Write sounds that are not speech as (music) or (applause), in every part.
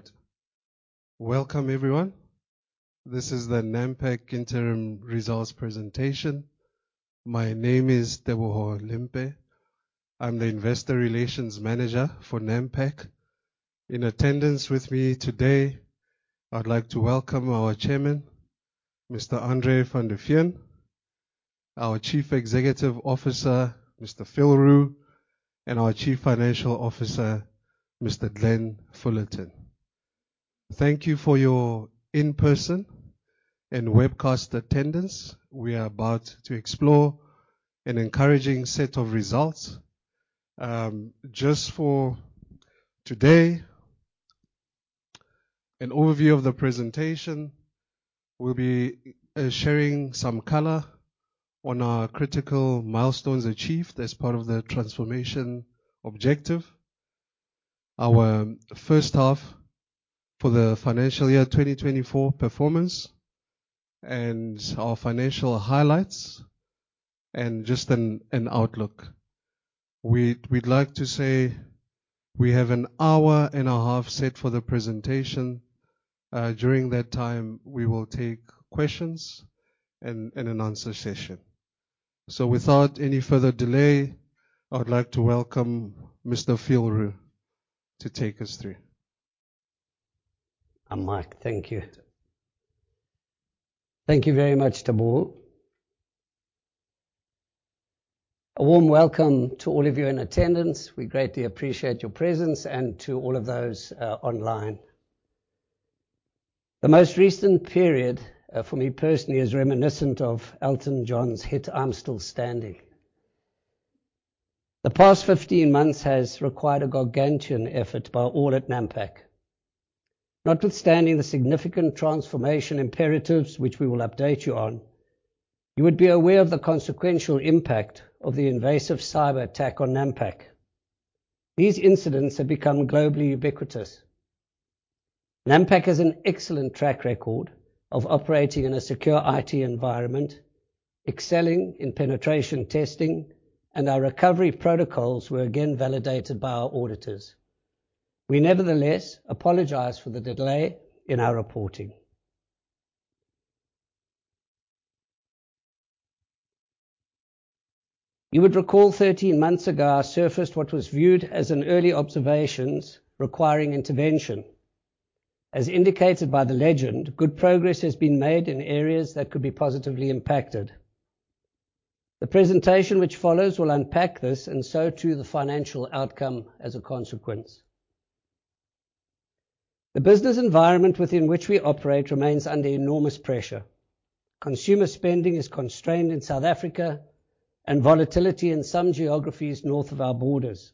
Right. Welcome, everyone. This is the Nampak interim results presentation. My name is Teboho Limpe. I'm the Investor Relations Manager for Nampak. In attendance with me today, I'd like to welcome our Chairman, Mr. André van der Veen, our Chief Executive Officer, Mr. Phil Roux, and our Chief Financial Officer, Mr. Glenn Fullerton. Thank you for your in-person and webcast attendance. We are about to explore an encouraging set of results. Just for today, an overview of the presentation. We'll be sharing some color on our critical milestones achieved as part of the transformation objective. Our first half for the financial year 2024 performance and our financial highlights and just an outlook. We'd like to say we have an hour and a half set for the presentation. During that time, we will take questions in a Q&A session. Without any further delay, I would like to welcome Mr. Phil Roux to take us through. I'm Phil. Thank you. Thank you very much, Teboho. A warm welcome to all of you in attendance. We greatly appreciate your presence and to all of those online. The most recent period for me personally is reminiscent of Elton John's hit, I'm Still Standing. The past 15 months has required a gargantuan effort by all at Nampak. Notwithstanding the significant transformation imperatives which we will update you on, you would be aware of the consequential impact of the invasive cyber attack on Nampak. These incidents have become globally ubiquitous. Nampak has an excellent track record of operating in a secure IT environment, excelling in penetration testing, and our recovery protocols were again validated by our auditors. We nevertheless apologize for the delay in our reporting. You would recall 13 months ago, I surfaced what was viewed as an early observations requiring intervention. As indicated by the legend, good progress has been made in areas that could be positively impacted. The presentation which follows will unpack this and so too the financial outcome as a consequence. The business environment within which we operate remains under enormous pressure. Consumer spending is constrained in South Africa, with volatility in some geographies north of our borders.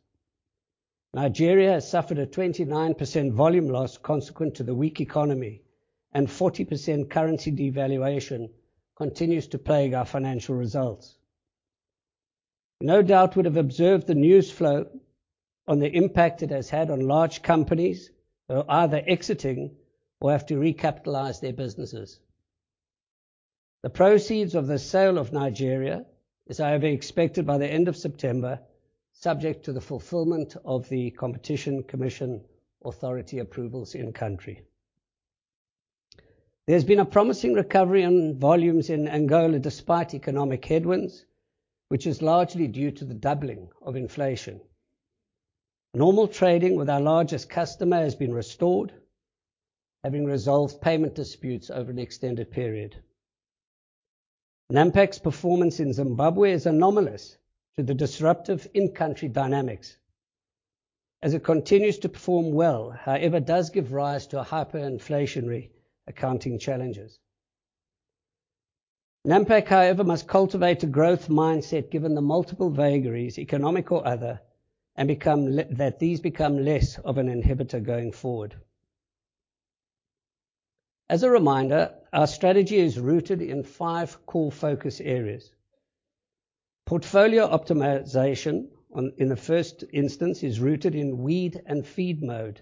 Nigeria has suffered a 29% volume loss consequent to the weak economy, and 40% currency devaluation continues to plague our financial results. No doubt you would have observed the news flow on the impact it has had on large companies who are either exiting or have to recapitalize their businesses. The proceeds of the sale of Nigeria are however expected by the end of September, subject to the fulfillment of the Competition Commission Authority approvals in country. There's been a promising recovery on volumes in Angola despite economic headwinds, which is largely due to the doubling of inflation. Normal trading with our largest customer has been restored, having resolved payment disputes over an extended period. Nampak's performance in Zimbabwe is anomalous to the disruptive in-country dynamics. As it continues to perform well, however, it does give rise to hyperinflationary accounting challenges. Nampak, however, must cultivate a growth mindset given the multiple vagaries, economic or other, and become that these become less of an inhibitor going forward. As a reminder, our strategy is rooted in five core focus areas. Portfolio optimization, in the first instance, is rooted in weed and feed mode,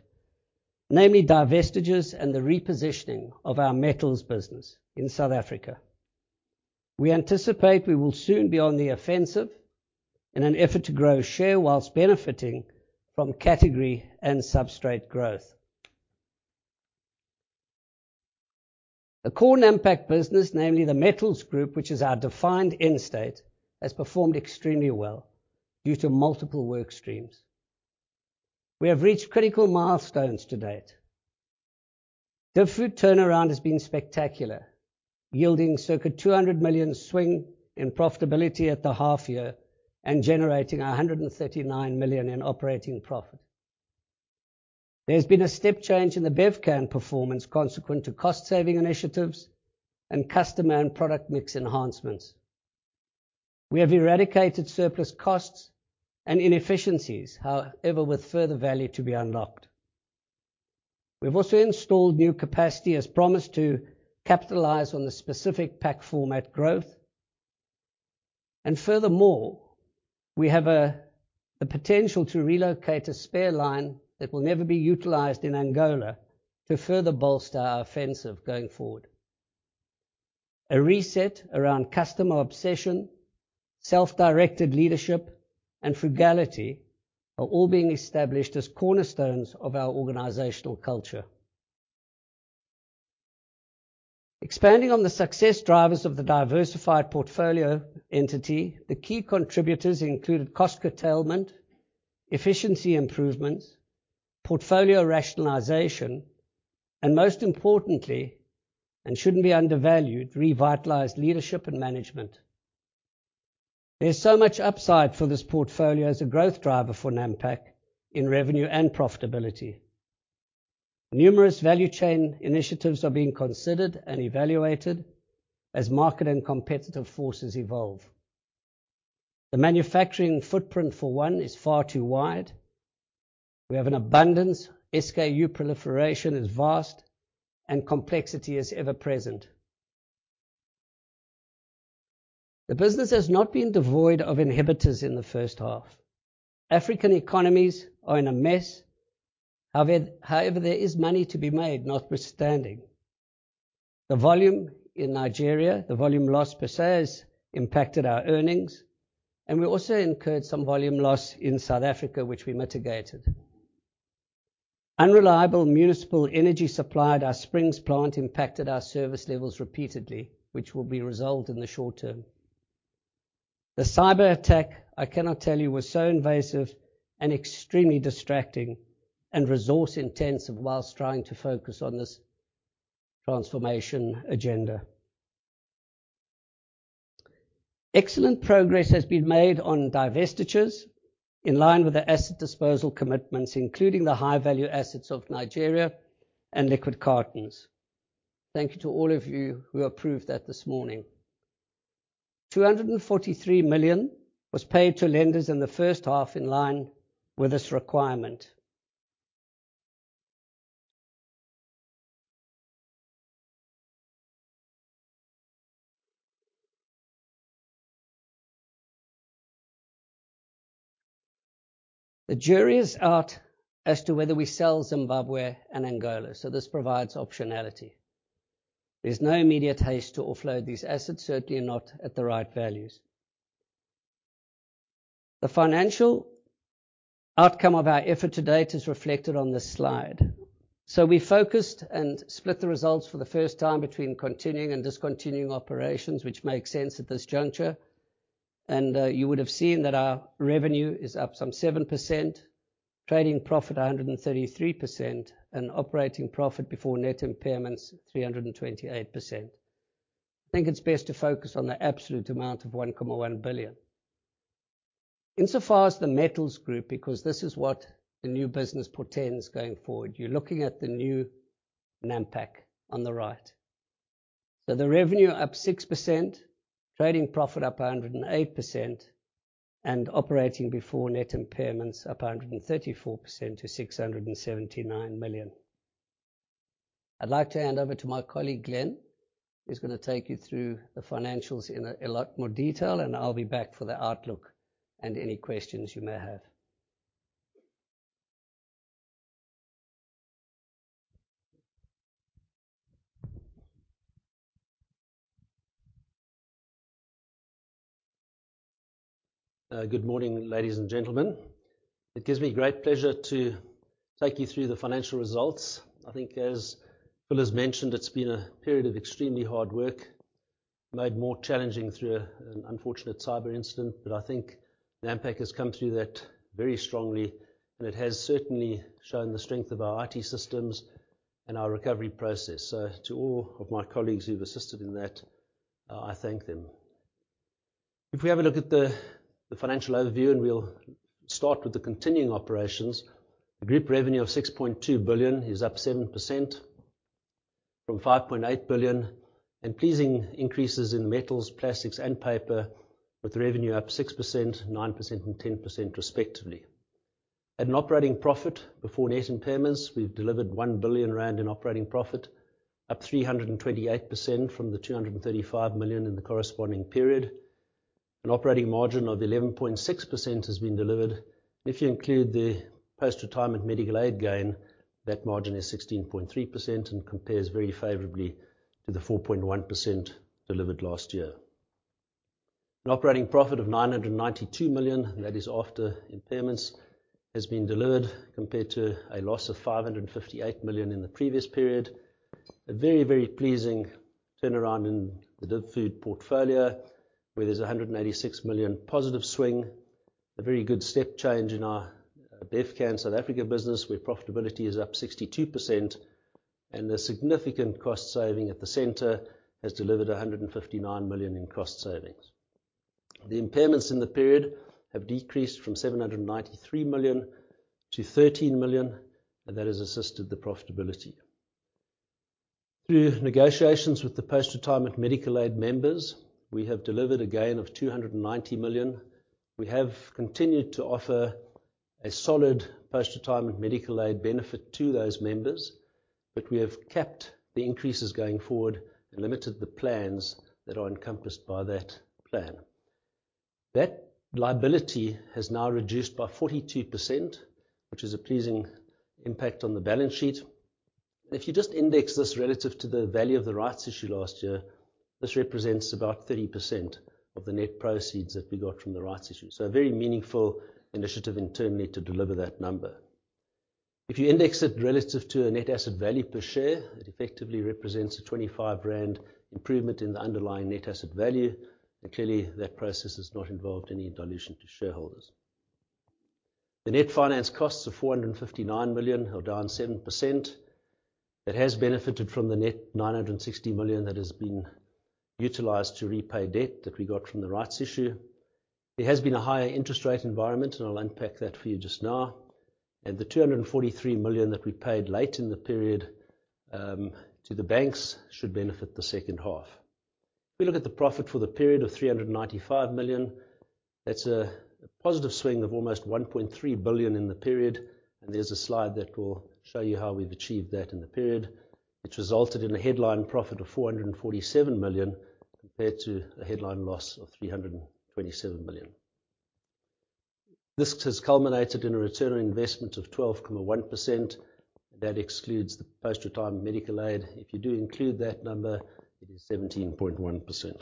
namely divestitures and the repositioning of our metals business in South Africa. We anticipate we will soon be on the offensive in an effort to grow share while benefiting from category and substrate growth. The core Nampak business, namely the metals group, which is our defined end state, has performed extremely well due to multiple work streams. We have reached critical milestones to date. The food turnaround has been spectacular, yielding circa 200 million swing in profitability at the half year and generating 139 million in operating profit. There's been a step change in the Bevcan performance consequent to cost-saving initiatives and customer and product mix enhancements. We have eradicated surplus costs and inefficiencies, however, with further value to be unlocked. We've also installed new capacity as promised to capitalize on the specific pack format growth. Furthermore, we have a potential to relocate a spare line that will never be utilized in Angola to further bolster our offensive going forward. A reset around customer obsession, self-directed leadership, and frugality are all being established as cornerstones of our organizational culture. Expanding on the success drivers of the diversified portfolio entity, the key contributors included cost curtailment, efficiency improvements, portfolio rationalization, and most importantly, and shouldn't be undervalued, revitalized leadership and management. There's so much upside for this portfolio as a growth driver for Nampak in revenue and profitability. Numerous value chain initiatives are being considered and evaluated as market and competitive forces evolve. The manufacturing footprint, for one, is far too wide. We have an abundance, SKU proliferation is vast, and complexity is ever present. The business has not been devoid of inhibitors in the first half. African economies are in a mess. However, there is money to be made notwithstanding. The volume in Nigeria, the volume loss per se, has impacted our earnings, and we also incurred some volume loss in South Africa, which we mitigated. Unreliable municipal energy supply at our Springs plant impacted our service levels repeatedly, which will be resolved in the short term. The cyberattack, I cannot tell you, was so invasive and extremely distracting and resource intensive while trying to focus on this transformation agenda. Excellent progress has been made on divestitures in line with the asset disposal commitments, including the high-value assets of Nigeria and liquid cartons. Thank you to all of you who approved that this morning. 243 million was paid to lenders in the first half in line with this requirement. The jury is out as to whether we sell Zimbabwe and Angola, so this provides optionality. There's no immediate haste to offload these assets, certainly not at the right values. The financial outcome of our effort to date is reflected on this slide. We focused and split the results for the first time between continuing and discontinuing operations, which makes sense at this juncture. You would have seen that our revenue is up some 7%, trading profit 133%, and operating profit before net impairments 328%. I think it's best to focus on the absolute amount of 1.1 billion. Insofar as the metals group, because this is what the new business portends going forward. You're looking at the new Nampak on the right. The revenue up 6%, trading profit up 108%, and operating before net impairments up 134% to 679 million. I'd like to hand over to my colleague, Glenn, who's gonna take you through the financials in a lot more detail, and I'll be back for the outlook and any questions you may have. Good morning, ladies and gentlemen. It gives me great pleasure to take you through the financial results. I think as Phil has mentioned, it's been a period of extremely hard work, made more challenging through an unfortunate cyber incident. I think Nampak has come through that very strongly, and it has certainly shown the strength of our IT systems and our recovery process. To all of my colleagues who've assisted in that, I thank them. If we have a look at the financial overview, and we'll start with the continuing operations. The group revenue of 6.2 billion is up 7% from 5.8 billion. Pleasing increases in metals, plastics, and paper with revenue up 6%, 9%, and 10% respectively. At an operating profit before net impairments, we've delivered 1 billion rand in operating profit, up 328% from the 235 million in the corresponding period. An operating margin of 11.6% has been delivered. If you include the post-retirement medical aid gain, that margin is 16.3% and compares very favorably to the 4.1% delivered last year. An operating profit of 992 million, that is after impairments, has been delivered compared to a loss of 558 million in the previous period. A very, very pleasing turnaround in the DivFood portfolio, where there's a 186 million positive swing. A very good step change in our Bevcan South Africa business, where profitability is up 62%. The significant cost saving at the center has delivered 159 million in cost savings. The impairments in the period have decreased from 793 million to 13 million, and that has assisted the profitability. Through negotiations with the post-retirement medical aid members, we have delivered a gain of 290 million. We have continued to offer a solid post-retirement medical aid benefit to those members, but we have capped the increases going forward and limited the plans that are encompassed by that plan. That liability has now reduced by 42%, which is a pleasing impact on the balance sheet. If you just index this relative to the value of the rights issue last year, this represents about 30% of the net proceeds that we got from the rights issue. A very meaningful initiative internally to deliver that number. If you index it relative to a net asset value per share, it effectively represents a 25 rand improvement in the underlying net asset value, and clearly, that process has not involved any dilution to shareholders. The net finance costs of 459 million are down 7%. It has benefited from the net 960 million that has been utilized to repay debt that we got from the rights issue. There has been a higher interest rate environment, and I'll unpack that for you just now. The 243 million that we paid late in the period to the banks should benefit the second half. If we look at the profit for the period of 395 million, that's a positive swing of almost 1.3 billion in the period, and there's a slide that will show you how we've achieved that in the period, which resulted in a headline profit of 447 million compared to a headline loss of 327 million. This has culminated in a return on investment of 12.1%. That excludes the post-retirement medical aid. If you do include that number, it is 17.1%.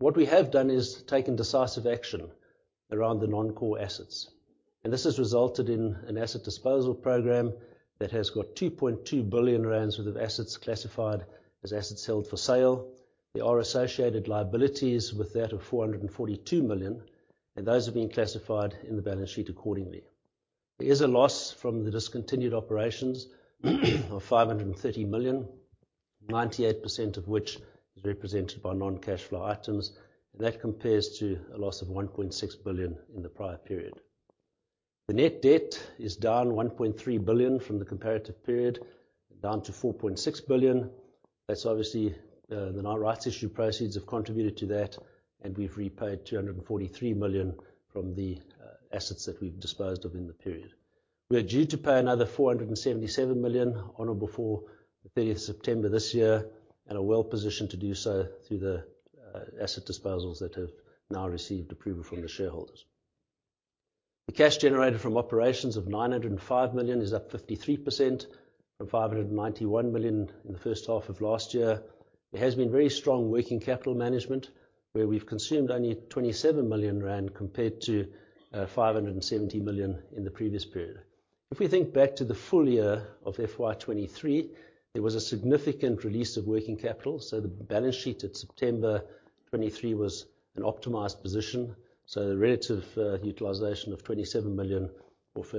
What we have done is taken decisive action around the non-core assets, and this has resulted in an asset disposal program that has got 2.2 billion rand worth of assets classified as assets held for sale. There are associated liabilities with that of 442 million, and those have been classified in the balance sheet accordingly. There is a loss from the discontinued operations of 530 million, 98% of which is represented by non-cash flow items, and that compares to a loss of 1.6 billion in the prior period. The net debt is down 1.3 billion from the comparative period, down to 4.6 billion. That's obviously the rights issue proceeds have contributed to that, and we've repaid 243 million from the assets that we've disposed of in the period. We are due to pay another 477 million on or before the thirtieth of September this year and are well positioned to do so through the asset disposals that have now received approval from the shareholders. The cash generated from operations of 905 million is up 53% from 591 million in the first half of last year. There has been very strong working capital management, where we've consumed only 27 million rand compared to 570 million in the previous period. If we think back to the full year of FY 2023, there was a significant release of working capital. The balance sheet at September 2023 was an optimized position. The relative utilization of 27 million of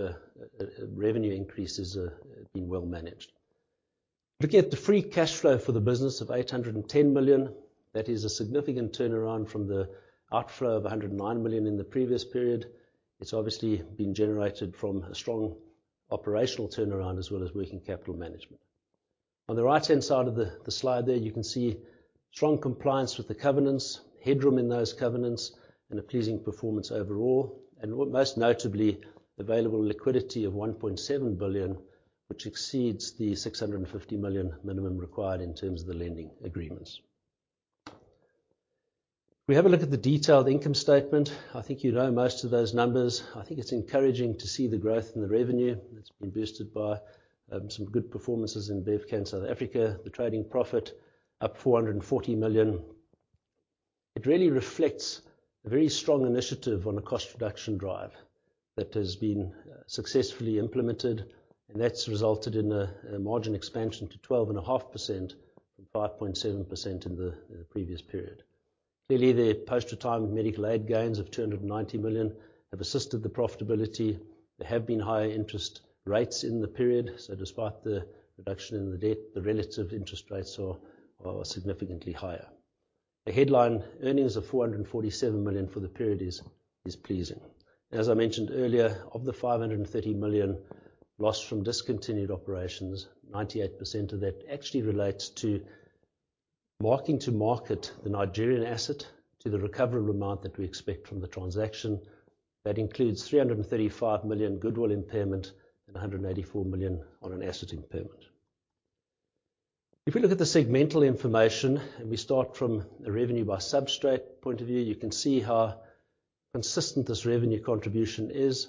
revenue increases have been well managed. Looking at the free cash flow for the business of 810 million, that is a significant turnaround from the outflow of 109 million in the previous period. It's obviously been generated from a strong operational turnaround as well as working capital management. On the right-hand side of the slide there, you can see strong compliance with the covenants, headroom in those covenants, and a pleasing performance overall, and most notably, available liquidity of 1.7 billion, which exceeds the 650 million minimum required in terms of the lending agreements. If we have a look at the detailed income statement, I think you know most of those numbers. I think it's encouraging to see the growth in the revenue that's been boosted by some good performances in Bevcan South Africa, the trading profit up 440 million. It really reflects a very strong initiative on a cost reduction drive that has been successfully implemented, and that's resulted in a margin expansion to 12.5% from 5.7% in the previous period. Clearly, the post-retirement medical aid gains of 290 million have assisted the profitability. There have been higher interest rates in the period, so despite the reduction in the debt, the relative interest rates are significantly higher. The headline earnings of 447 million for the period is pleasing. As I mentioned earlier, of the 530 million loss from discontinued operations, 98% of that actually relates to marking to market the Nigerian asset to the recoverable amount that we expect from the transaction. That includes 335 million goodwill impairment and 184 million on an asset impairment. If we look at the segmental information, and we start from the revenue by substrate point of view, you can see how consistent this revenue contribution is,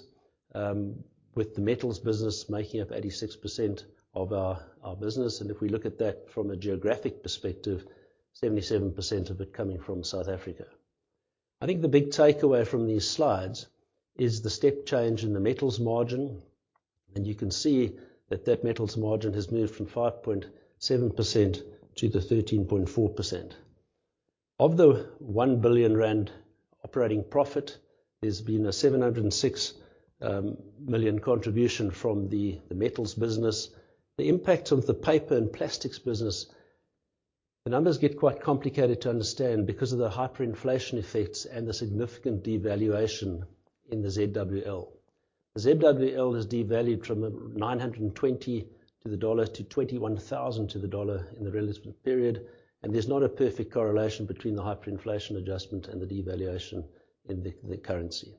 with the metals business making up 86% of our business. If we look at that from a geographic perspective, 77% of it coming from South Africa. I think the big takeaway from these slides is the step change in the metals margin, and you can see that metals margin has moved from 5.7% to 13.4%. Of the 1 billion rand operating profit, there's been a 706 million contribution from the metals business. The impact of the paper and plastics business, the numbers get quite complicated to understand because of the hyperinflation effects and the significant devaluation in the ZWL. The ZWL is devalued from 920 to the dollar to 21,000 to the dollar in the relevant period, and there's not a perfect correlation between the hyperinflation adjustment and the devaluation in the currency.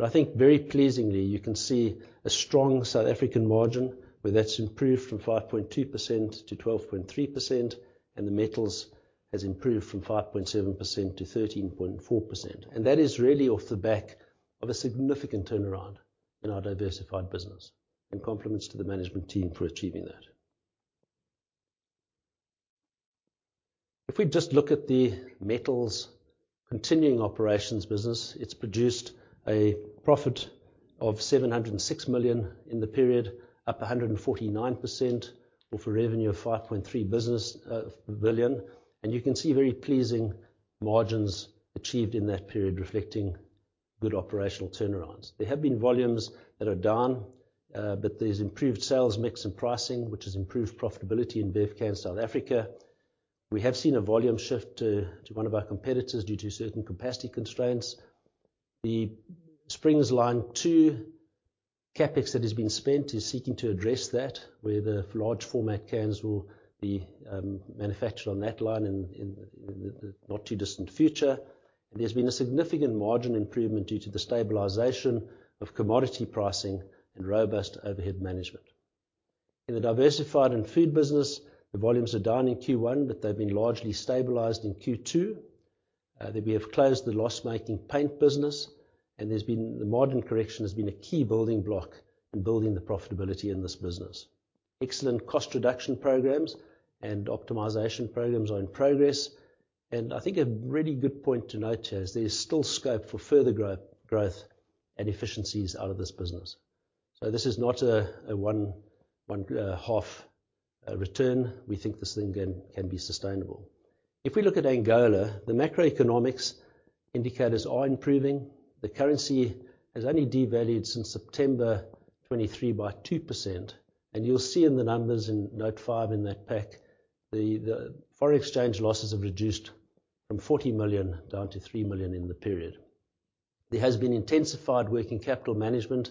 I think very pleasingly, you can see a strong South African margin where that's improved from 5.2% to 12.3%, and the metals has improved from 5.7% to 13.4%. That is really off the back of a significant turnaround in our diversified business, and compliments to the management team for achieving that. If we just look at the metals continuing operations business, it's produced a profit of 706 million in the period, up 149%, off a revenue of 5.3 billion. You can see very pleasing margins achieved in that period, reflecting good operational turnarounds. There have been volumes that are down, but there's improved sales mix and pricing, which has improved profitability in Bevcan South Africa. We have seen a volume shift to one of our competitors due to certain capacity constraints. The Springs Line 2 CapEx that has been spent is seeking to address that, where the large format cans will be manufactured on that line in the not too distant future. There's been a significant margin improvement due to the stabilization of commodity pricing and robust overhead management. In the diversified and food business, the volumes are down in Q1, but they've been largely stabilized in Q2. We have closed the loss-making paint business, and there's been. The margin correction has been a key building block in building the profitability in this business. Excellent cost reduction programs and optimization programs are in progress. I think a really good point to note here is there is still scope for further growth and efficiencies out of this business. This is not a one-off return. We think this thing can be sustainable. If we look at Angola, the macroeconomic indicators are improving. The currency has only devalued since September 2023 by 2%. You'll see in the numbers in note 5 in that pack, the foreign exchange losses have reduced from 40 million down to 3 million in the period. There has been intensified working capital management.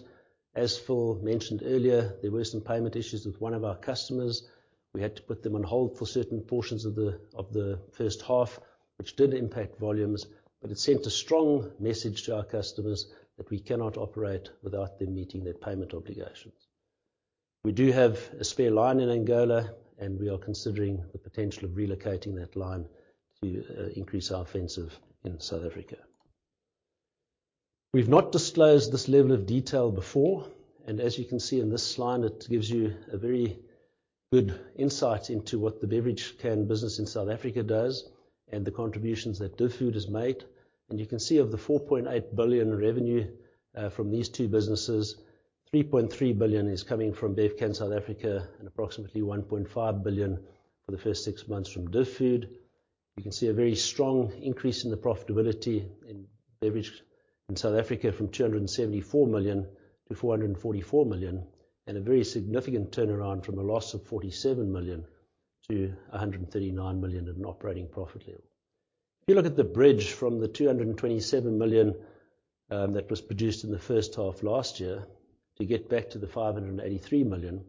As Phil mentioned earlier, there were some payment issues with one of our customers. We had to put them on hold for certain portions of the first half, which did impact volumes, but it sent a strong message to our customers that we cannot operate without them meeting their payment obligations. We do have a spare line in Angola, and we are considering the potential of relocating that line to increase our offtake in South Africa. We've not disclosed this level of detail before, and as you can see in this slide, it gives you a very good insight into what the beverage can business in South Africa does and the contributions that DivFood has made. You can see of the 4.8 billion revenue from these two businesses, 3.3 billion is coming from Bevcan South Africa and approximately 1.5 billion for the first six months from DivFood. You can see a very strong increase in the profitability in beverage in South Africa from 274 million to 444 million, and a very significant turnaround from a loss of 47 million to 139 million at an operating profit level. If you look at the bridge from the 227 million, that was produced in the first half last year, to get back to the 583 million,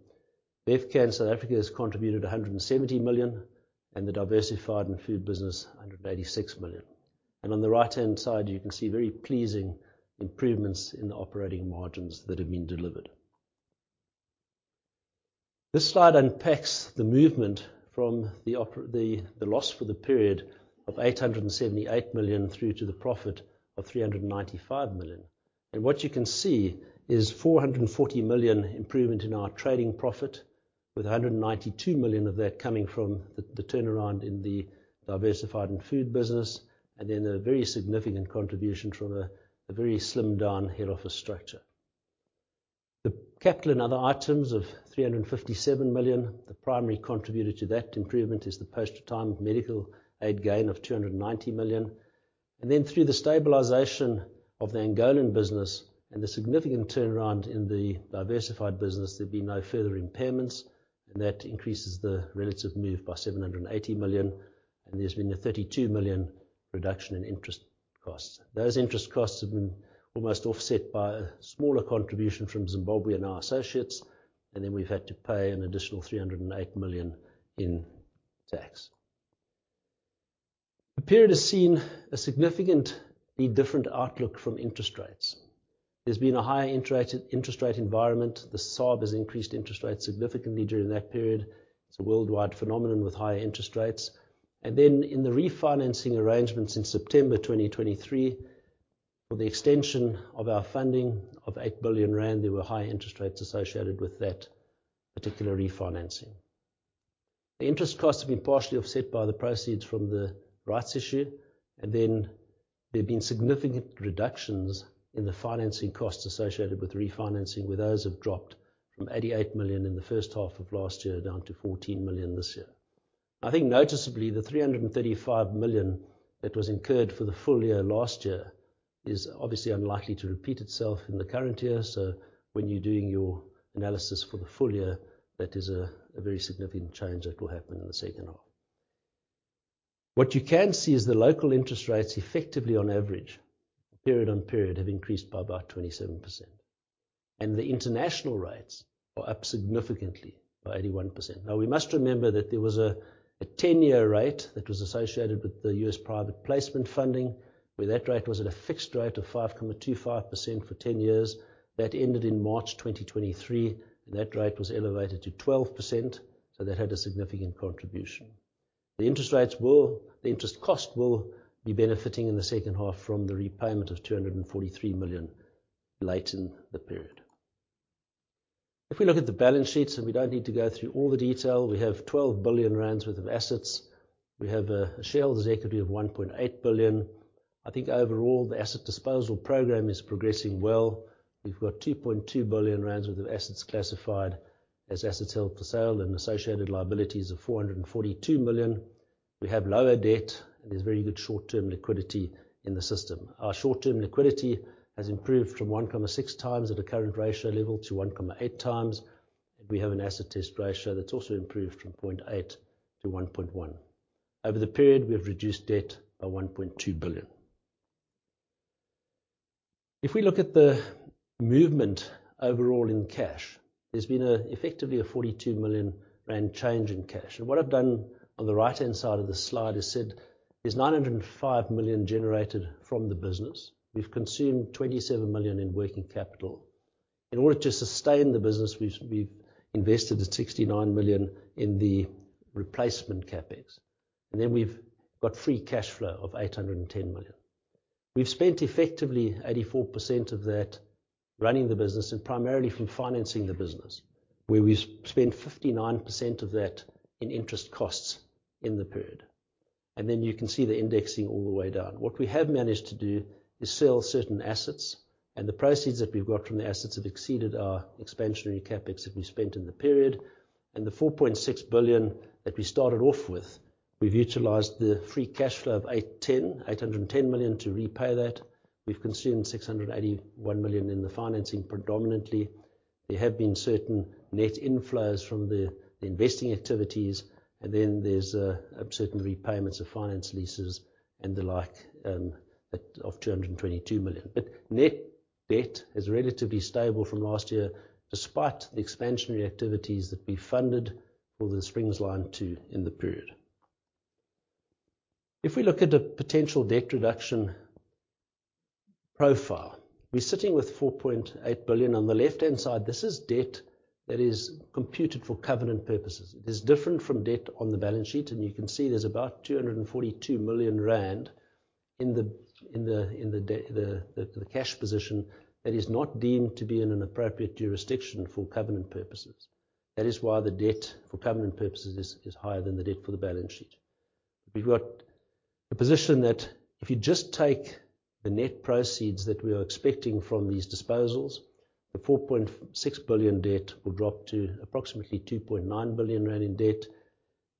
Bevcan South Africa has contributed 170 million and the diversified and food business 186 million. On the right-hand side, you can see very pleasing improvements in the operating margins that have been delivered. This slide unpacks the movement from the oper... The loss for the period of 878 million through to the profit of 395 million. What you can see is a 440 million improvement in our trading profit, with 192 million of that coming from the turnaround in the diversified and food business. A very significant contribution from a very slimmed down head office structure. The capital and other items of 357 million. The primary contributor to that improvement is the post-retirement medical aid gain of 290 million. Through the stabilization of the Angolan business and the significant turnaround in the diversified business, there'll be no further impairments, and that increases the relative move by 780 million, and there's been a 32 million reduction in interest costs. Those interest costs have been almost offset by a smaller contribution from Zimbabwe and our associates, and then we've had to pay an additional 308 million in tax. The period has seen a significantly different outlook from interest rates. There's been a high interest rate environment. The SARB has increased interest rates significantly during that period. It's a worldwide phenomenon with higher interest rates. In the refinancing arrangements in September 2023, for the extension of our funding of 8 billion rand, there were high interest rates associated with that particular refinancing. The interest costs have been partially offset by the proceeds from the rights issue. There have been significant reductions in the financing costs associated with refinancing, where those have dropped from 88 million in the first half of last year down to 14 million this year. I think noticeably, the 335 million that was incurred for the full year last year is obviously unlikely to repeat itself in the current year. When you're doing your analysis for the full year, that is a very significant change that will happen in the second half. What you can see is the local interest rates effectively on average, period on period, have increased by about 27%. The international rates are up significantly by 81%. Now, we must remember that there was a 10-year rate that was associated with the U.S. Private placement funding, where that rate was at a fixed rate of 5.25% for 10 years. That ended in March 2023, and that rate was elevated to 12%, so that had a significant contribution. The interest rates will... The interest cost will be benefiting in the second half from the repayment of 243 million late in the period. If we look at the balance sheet, we don't need to go through all the detail. We have 12 billion rand worth of assets. We have shareholders' equity of 1.8 billion. Overall, the asset disposal program is progressing well. We've got 2.2 billion rand worth of assets classified as assets held for sale and associated liabilities of 442 million. We have lower debt, and there's very good short-term liquidity in the system. Our short-term liquidity has improved from 1.6x at a current ratio level to 1.8x. We have an acid test ratio that's also improved from 0.8 to 1.1 Over the period, we have reduced debt by 1.2 billion. If we look at the movement overall in cash, there's been effectively a 42 million rand change in cash. What I've done on the right-hand side of the slide is said there's 905 million generated from the business. We've consumed 27 million in working capital. In order to sustain the business, we've invested 69 million in the replacement CapEx, and then we've got free cash flow of 810 million. We've spent effectively 84% of that running the business and primarily from financing the business, where we've spent 59% of that in interest costs in the period. Then you can see the indexing all the way down. What we have managed to do is sell certain assets, and the proceeds that we've got from the assets have exceeded our expansionary CapEx that we spent in the period. The 4.6 billion that we started off with, we've utilized the free cash flow of 810 million to repay that. We've consumed 681 million in the financing predominantly. There have been certain net inflows from the investing activities, and then there's certain repayments of finance leases and the like, amount of 222 million. Net debt is relatively stable from last year, despite the expansionary activities that we funded for the Springs Line 2 in the period. If we look at the potential debt reduction profile, we're sitting with 4.8 billion on the left-hand side. This is debt that is computed for covenant purposes. It is different from debt on the balance sheet, and you can see there's about 242 million rand in the cash position that is not deemed to be in an appropriate jurisdiction for covenant purposes. That is why the debt for covenant purposes is higher than the debt for the balance sheet. We've got a position that if you just take the net proceeds that we are expecting from these disposals, the 4.6 billion debt will drop to approximately 2.9 billion rand in debt.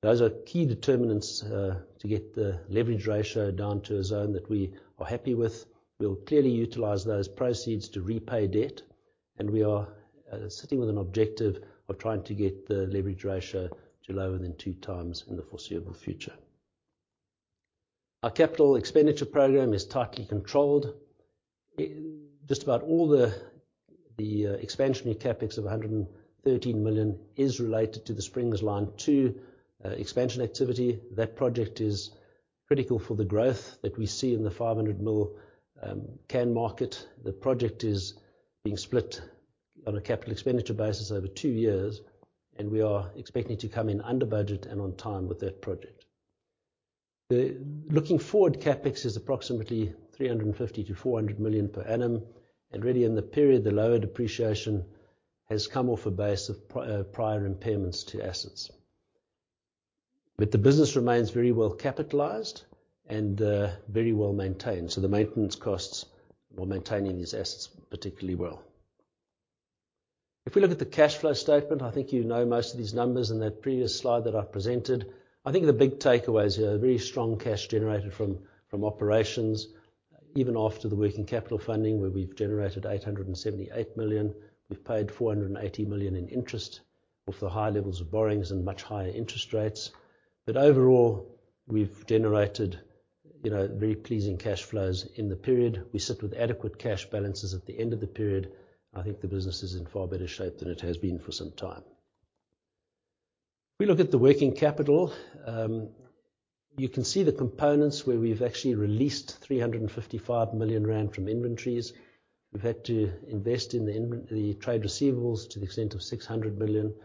Those are key determinants to get the leverage ratio down to a zone that we are happy with. We'll clearly utilize those proceeds to repay debt, and we are sitting with an objective of trying to get the leverage ratio to lower than 2x in the foreseeable future. Our capital expenditure program is tightly controlled. Just about all the expansionary CapEx of 113 million is related to the Springs Line 2 expansion activity. That project is critical for the growth that we see in the 500 million can market. The project is being split on a capital expenditure basis over two years, and we are expecting to come in under budget and on time with that project. The looking forward CapEx is approximately 350 million-400 million per annum, and really in the period, the lower depreciation has come off a base of prior impairments to assets. The business remains very well capitalized and, very well maintained. The maintenance costs are maintaining these assets particularly well. If we look at the cash flow statement, I think you know most of these numbers in that previous slide that I presented. I think the big takeaway is a very strong cash generated from operations, even after the working capital funding, where we've generated 878 million. We've paid 480 million in interest with the high levels of borrowings and much higher interest rates. Overall, we've generated, you know, very pleasing cash flows in the period. We sit with adequate cash balances at the end of the period. I think the business is in far better shape than it has been for some time. If we look at the working capital, you can see the components where we've actually released 355 million rand from inventories. We've had to invest in the trade receivables to the extent of 600 million,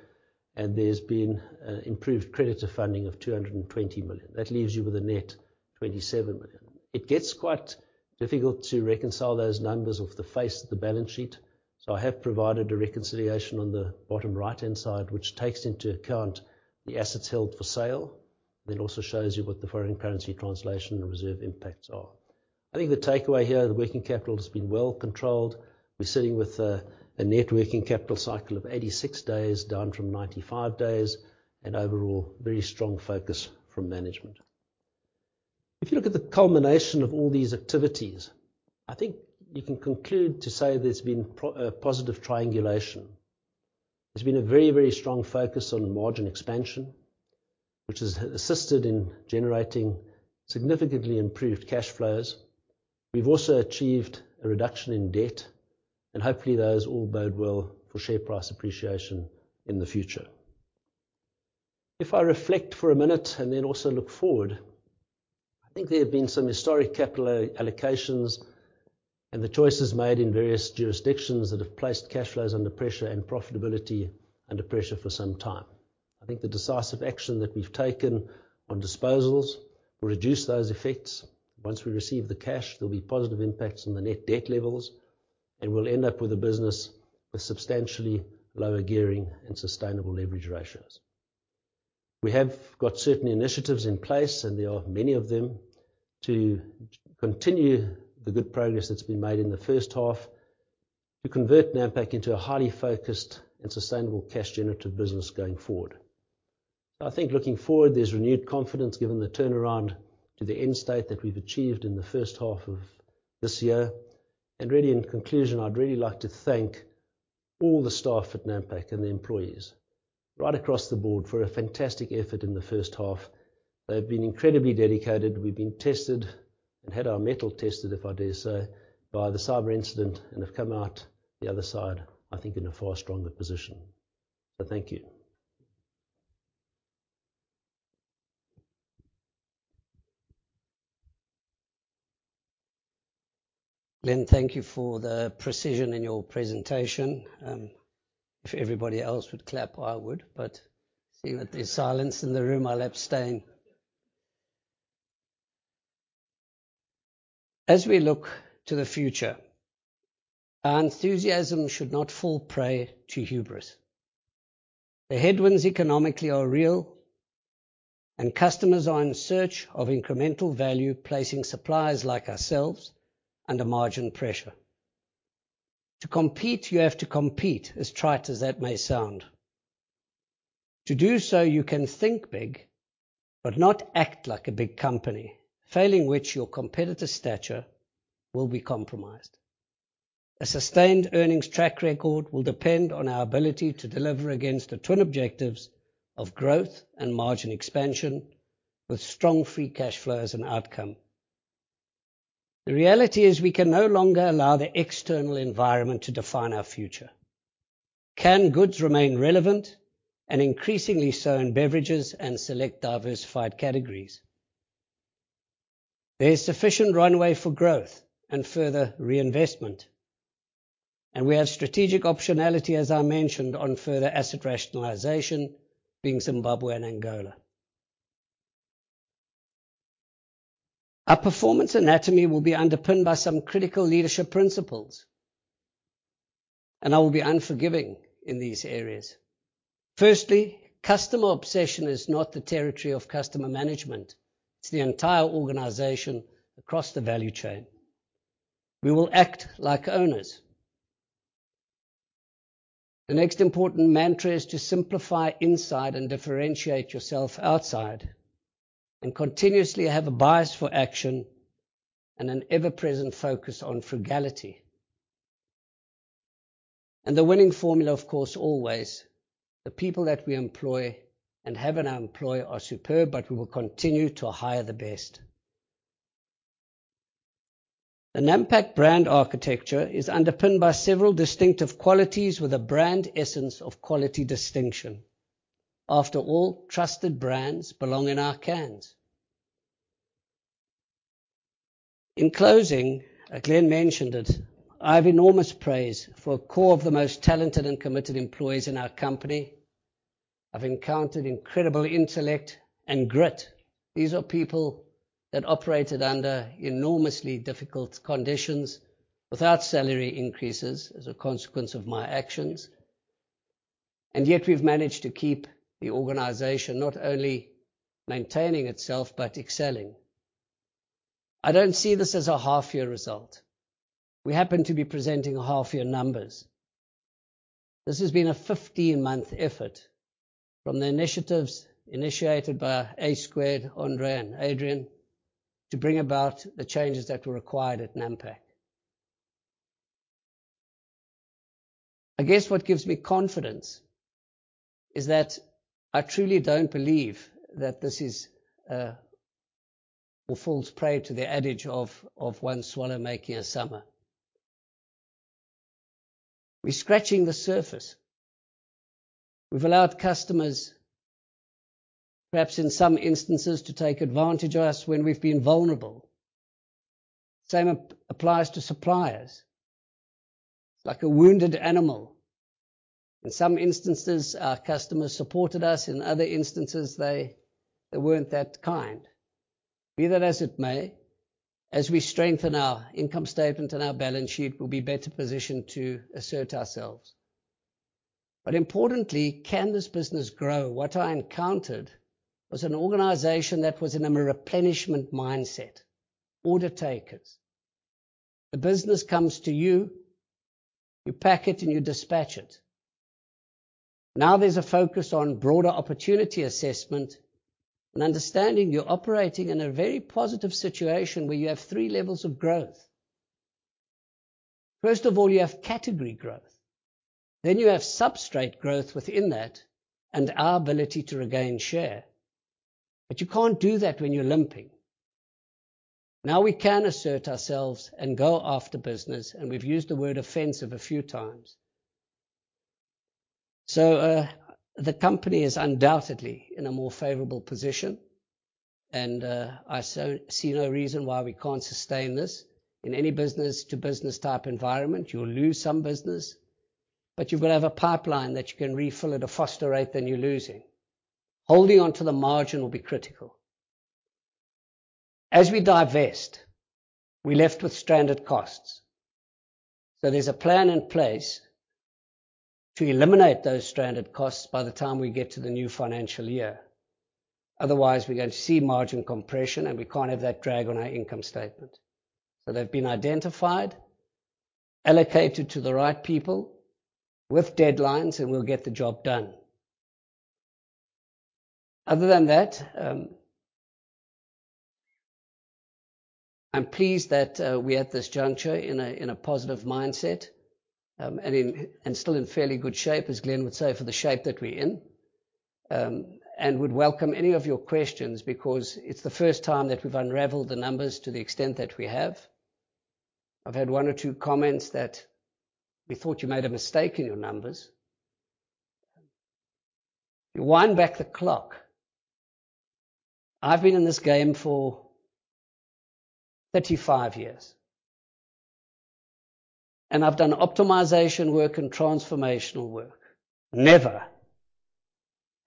and there's been improved creditor funding of 220 million. That leaves you with a net 27 million. It gets quite difficult to reconcile those numbers off the face of the balance sheet, so I have provided a reconciliation on the bottom right-hand side, which takes into account the assets held for sale. It also shows you what the foreign currency translation and reserve impacts are. I think the takeaway here, the working capital has been well controlled. We're sitting with a net working capital cycle of 86 days, down from 95 days, and overall, very strong focus from management. If you look at the culmination of all these activities, I think you can conclude to say there's been a positive triangulation. There's been a very, very strong focus on margin expansion, which has assisted in generating significantly improved cash flows. We've also achieved a reduction in debt, and hopefully those all bode well for share price appreciation in the future. If I reflect for a minute and then also look forward, I think there have been some historic capital allocations and the choices made in various jurisdictions that have placed cash flows under pressure and profitability under pressure for some time. I think the decisive action that we've taken on disposals will reduce those effects. Once we receive the cash, there'll be positive impacts on the net debt levels, and we'll end up with a business with substantially lower gearing and sustainable leverage ratios. We have got certain initiatives in place, and there are many of them, to continue the good progress that's been made in the first half to convert Nampak into a highly focused and sustainable cash generative business going forward. I think looking forward, there's renewed confidence given the turnaround to the end state that we've achieved in the first half of this year. Really, in conclusion, I'd really like to thank all the staff at Nampak and the employees right across the board for a fantastic effort in the first half. They've been incredibly dedicated. We've been tested and had our mettle tested, if I dare say, by the cyber incident and have come out the other side, I think, in a far stronger position. Thank you. Glenn, thank you for the precision in your presentation. If everybody else would clap, I would, but seeing that there's silence in the room, I'll abstain. As we look to the future, our enthusiasm should not fall prey to hubris. The headwinds economically are real, and customers are in search of incremental value, placing suppliers like ourselves under margin pressure. To compete, you have to compete as trite as that may sound. To do so, you can think big, but not act like a big company. Failing which, your competitive stature will be compromised. A sustained earnings track record will depend on our ability to deliver against the twin objectives of growth and margin expansion with strong free cash flow as an outcome. The reality is we can no longer allow the external environment to define our future. Canned goods remain relevant and increasingly so in beverages and select diversified categories. There is sufficient runway for growth and further reinvestment, and we have strategic optionality, as I mentioned, on further asset rationalization, being Zimbabwe and Angola. Our performance anatomy will be underpinned by some critical leadership principles, and I will be unforgiving in these areas. Firstly, customer obsession is not the territory of customer management. It's the entire organization across the value chain. We will act like owners. The next important mantra is to simplify inside and differentiate yourself outside and continuously have a bias for action and an ever-present focus on frugality. The winning formula, of course, always the people that we employ and have in our employ are superb, but we will continue to hire the best. The Nampak brand architecture is underpinned by several distinctive qualities with a brand essence of quality distinction. After all, trusted brands belong in our cans. In closing, Glenn mentioned it. I have enormous praise for a core of the most talented and committed employees in our company. I've encountered incredible intellect and grit. These are people that operated under enormously difficult conditions without salary increases as a consequence of my actions. Yet we've managed to keep the organization not only maintaining itself but excelling. I don't see this as a half-year result. We happen to be presenting half-year numbers. This has been a 15-month effort from the initiatives initiated by A Squared, André, and Adrian to bring about the changes that were required at Nampak. I guess what gives me confidence is that I truly don't believe that this will fall prey to the adage of one swallow making a summer. We're scratching the surface. We've allowed customers, perhaps in some instances, to take advantage of us when we've been vulnerable. Same applies to suppliers. It's like a wounded animal. In some instances, our customers supported us. In other instances, they weren't that kind. Be that as it may, as we strengthen our income statement and our balance sheet, we'll be better positioned to assert ourselves. Importantly, can this business grow? What I encountered was an organization that was in a replenishment mindset. Order takers. The business comes to you pack it, and you dispatch it. Now, there's a focus on broader opportunity assessment and understanding you're operating in a very positive situation where you have three levels of growth. First of all, you have category growth, then you have substrate growth within that and our ability to regain share. You can't do that when you're limping. Now we can assert ourselves and go after business, and we've used the word offensive a few times. The company is undoubtedly in a more favorable position, and I see no reason why we can't sustain this. In any business to business type environment, you'll lose some business, but you've got to have a pipeline that you can refill at a faster rate than you're losing. Holding onto the margin will be critical. As we divest, we're left with stranded costs. There's a plan in place to eliminate those stranded costs by the time we get to the new financial year. Otherwise, we're going to see margin compression, and we can't have that drag on our income statement. They've been identified, allocated to the right people with deadlines, and we'll get the job done. Other than that, I'm pleased that we're at this juncture in a positive mindset. Still in fairly good shape, as Glenn would say, for the shape that we're in. Would welcome any of your questions because it's the first time that we've unraveled the numbers to the extent that we have. I've had one or two comments that we thought you made a mistake in your numbers. You wind back the clock. I've been in this game for 35 years. I've done optimization work and transformational work. Never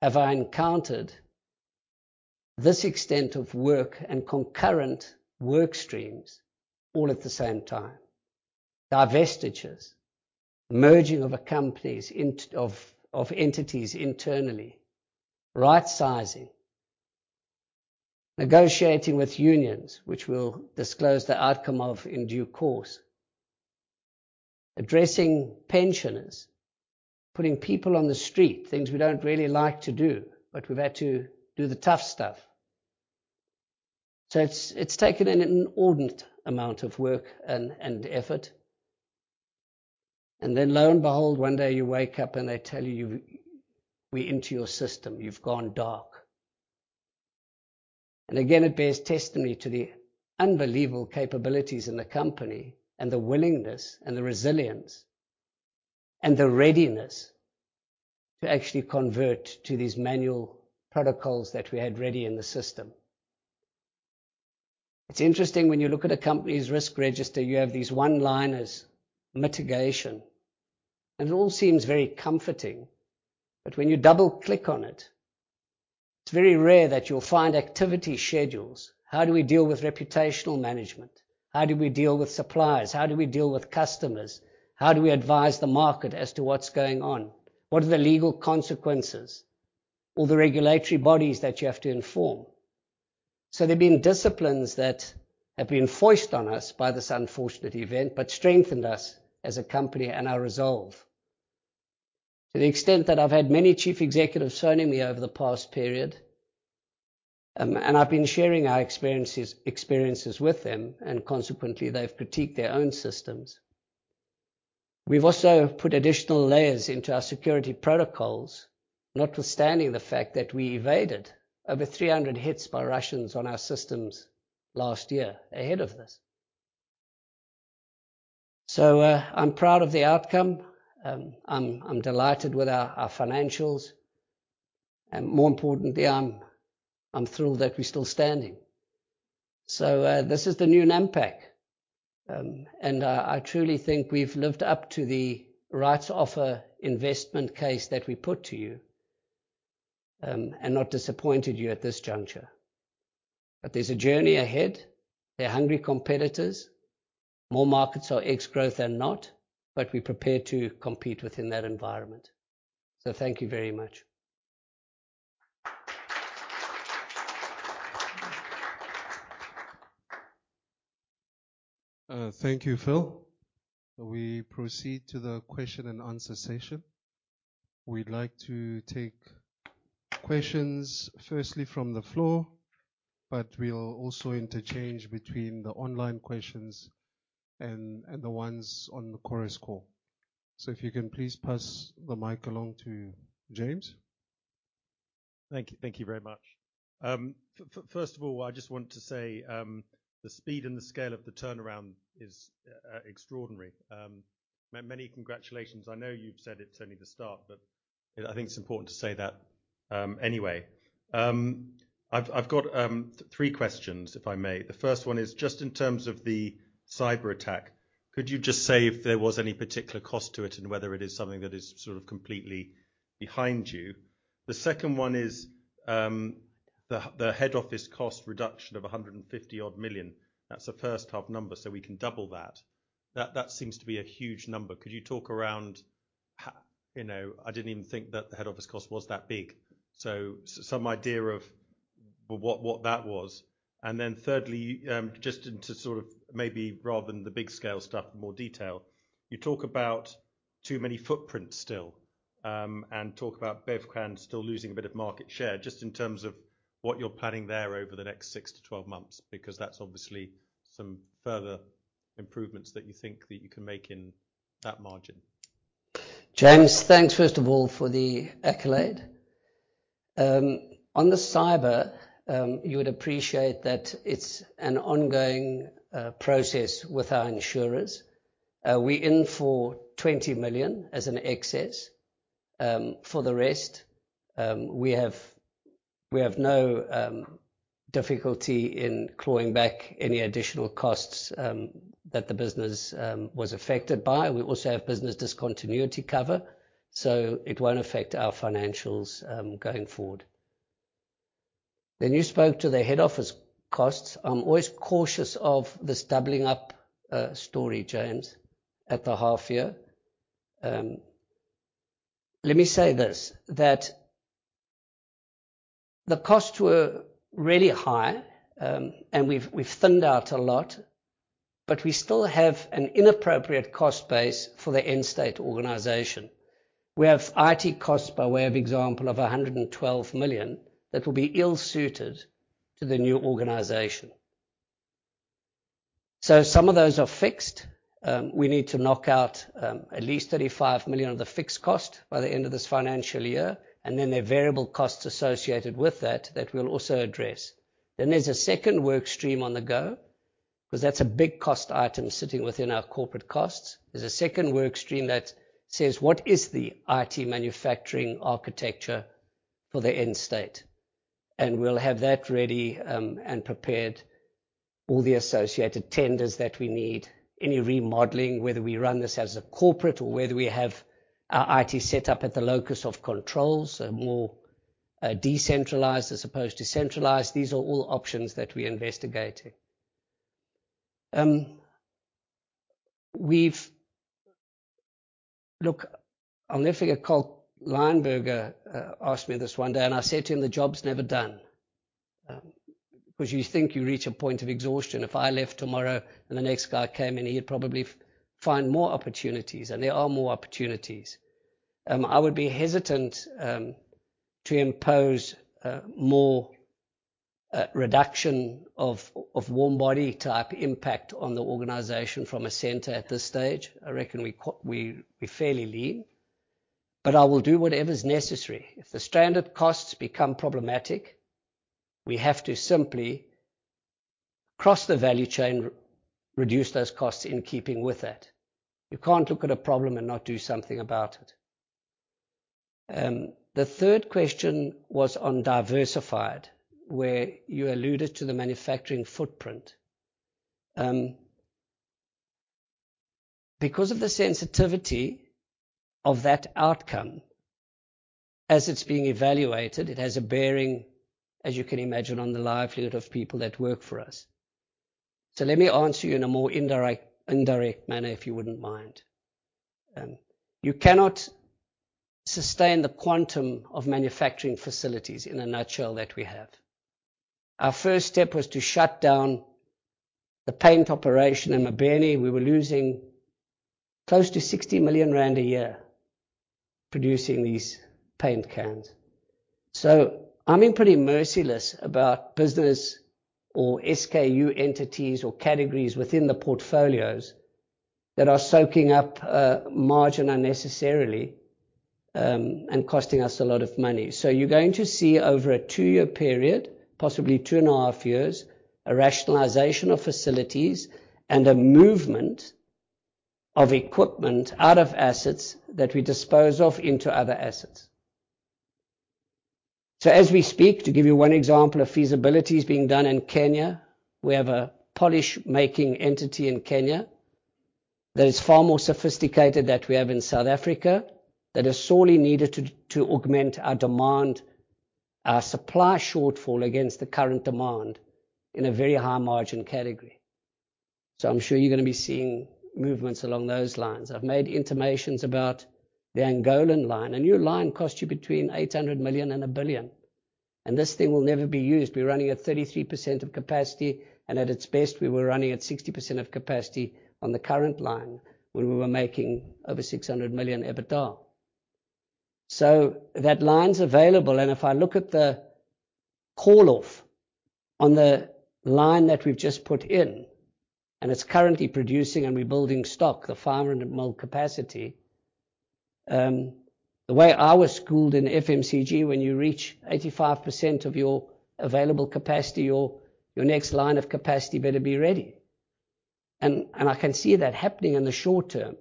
have I encountered this extent of work and concurrent work streams all at the same time. Divestitures, merging of entities internally, rightsizing, negotiating with unions, which we'll disclose the outcome of in due course. Addressing pensioners, putting people on the street, things we don't really like to do, but we've had to do the tough stuff. It's taken an inordinate amount of work and effort. Then lo and behold, one day you wake up and they tell you, we're into your system, you've gone dark. It bears testimony to the unbelievable capabilities in the company and the willingness and the resilience and the readiness to actually convert to these manual protocols that we had ready in the system. It's interesting when you look at a company's risk register, you have these one-liners, mitigation. It all seems very comforting. When you double-click on it's very rare that you'll find activity schedules. How do we deal with reputational management? How do we deal with suppliers? How do we deal with customers? How do we advise the market as to what's going on? What are the legal consequences or the regulatory bodies that you have to inform? There have been disciplines that have been foisted on us by this unfortunate event, but strengthened us as a company and our resolve. To the extent that I've had many chief executives phoning me over the past period, and I've been sharing our experiences with them, and consequently, they've critiqued their own systems. We've also put additional layers into our security protocols, notwithstanding the fact that we evaded over 300 hits by Russians on our systems last year ahead of this. I'm proud of the outcome. I'm delighted with our financials. More importantly, I'm thrilled that we're still standing. This is the new Nampak. I truly think we've lived up to the rights offer investment case that we put to you, and not disappointed you at this juncture. There's a journey ahead. There are hungry competitors. More markets are ex-growth than not, but we're prepared to compete within that environment. Thank you very much. Thank you, Phil. We proceed to the question-and-answer session. We'd like to take questions firstly from the floor, but we'll also interchange between the online questions and the ones on the Chorus Call. If you can please pass the mic along to James. Thank you. Thank you very much. First of all, I just want to say, the speed and the scale of the turnaround is extraordinary. Many congratulations. I know you've said it's only the start, but I think it's important to say that, anyway. I've got three questions, if I may. The first one is just in terms of the cyberattack, could you just say if there was any particular cost to it and whether it is something that is sort of completely behind you? The second one is, the head office cost reduction of 150-odd million. That's a first half number, so we can double that. That seems to be a huge number. Could you talk around how you know, I didn't even think that the head office cost was that big. Some idea of what that was. Then thirdly, just into sort of maybe rather than the big scale stuff in more detail. You talk about too many footprints still. Talk about Bevcan still losing a bit of market share just in terms of what you're planning there over the next 6-12 months, because that's obviously some further improvements that you think that you can make in that margin. James, thanks first of all for the accolade. On the cyber, you would appreciate that it's an ongoing process with our insurers. We're in for 20 million as an excess. For the rest, we have no difficulty in clawing back any additional costs that the business was affected by. We also have business discontinuity cover, so it won't affect our financials going forward. You spoke to the head office costs. I'm always cautious of this doubling up story, James, at the half year. Let me say this, that the costs were really high, and we've thinned out a lot, but we still have an inappropriate cost base for the end state organization. We have IT costs, by way of example, of 112 million that will be ill-suited to the new organization. Some of those are fixed. We need to knock out at least 35 million of the fixed cost by the end of this financial year, and then there are variable costs associated with that that we'll also address. There's a second work stream on the go, 'cause that's a big cost item sitting within our corporate costs. There's a second work stream that says, "What is the IT manufacturing architecture for the end state?" We'll have that ready and prepared all the associated tenders that we need. Any remodeling, whether we run this as a corporate or whether we have our IT set up at the locus of controls, so more decentralized as opposed to centralized. These are all options that we're investigating. Look, I'll never forget Colt Linberger asked me this one day, and I said to him, "The job's never done." 'Cause you think you reach a point of exhaustion. If I left tomorrow and the next guy came in, he'd probably find more opportunities, and there are more opportunities. I would be hesitant to impose more reduction of warm body type impact on the organization from a center at this stage. I reckon we're fairly lean. I will do whatever's necessary. If the standard costs become problematic, we have to simply cross the value chain, reduce those costs in keeping with that. You can't look at a problem and not do something about it. The third question was on Diversified, where you alluded to the manufacturing footprint. Because of the sensitivity of that outcome as it's being evaluated, it has a bearing, as you can imagine, on the livelihood of people that work for us. Let me answer you in a more indirect manner, if you wouldn't mind. You cannot sustain the quantum of manufacturing facilities, in a nutshell, that we have. Our first step was to shut down the paint operation in Mobeni. We were losing close to 60 million rand a year producing these paint cans. I'm being pretty merciless about business or SKU entities or categories within the portfolios that are soaking up margin unnecessarily and costing us a lot of money. You're going to see over a 2-year period, possibly 2.5 years, a rationalization of facilities and a movement of equipment out of assets that we dispose of into other assets. As we speak, to give you one example, a feasibility is being done in Kenya. We have a polish-making entity in Kenya that is far more sophisticated than we have in South Africa, that is sorely needed to augment our demand, our supply shortfall against the current demand in a very high margin category. I'm sure you're gonna be seeing movements along those lines. I've made intimations about the Angolan line. A new line costs you between 800 million and 1 billion, and this thing will never be used. We're running at 33% of capacity, and at its best, we were running at 60% of capacity on the current line when we were making over 600 million EBITDA. That line's available, and if I look at the call-off on the line that we've just put in, and it's currently producing and rebuilding stock, the 500 mil capacity. The way I was schooled in FMCG, when you reach 85% of your available capacity, your next line of capacity better be ready. I can see that happening in the short term.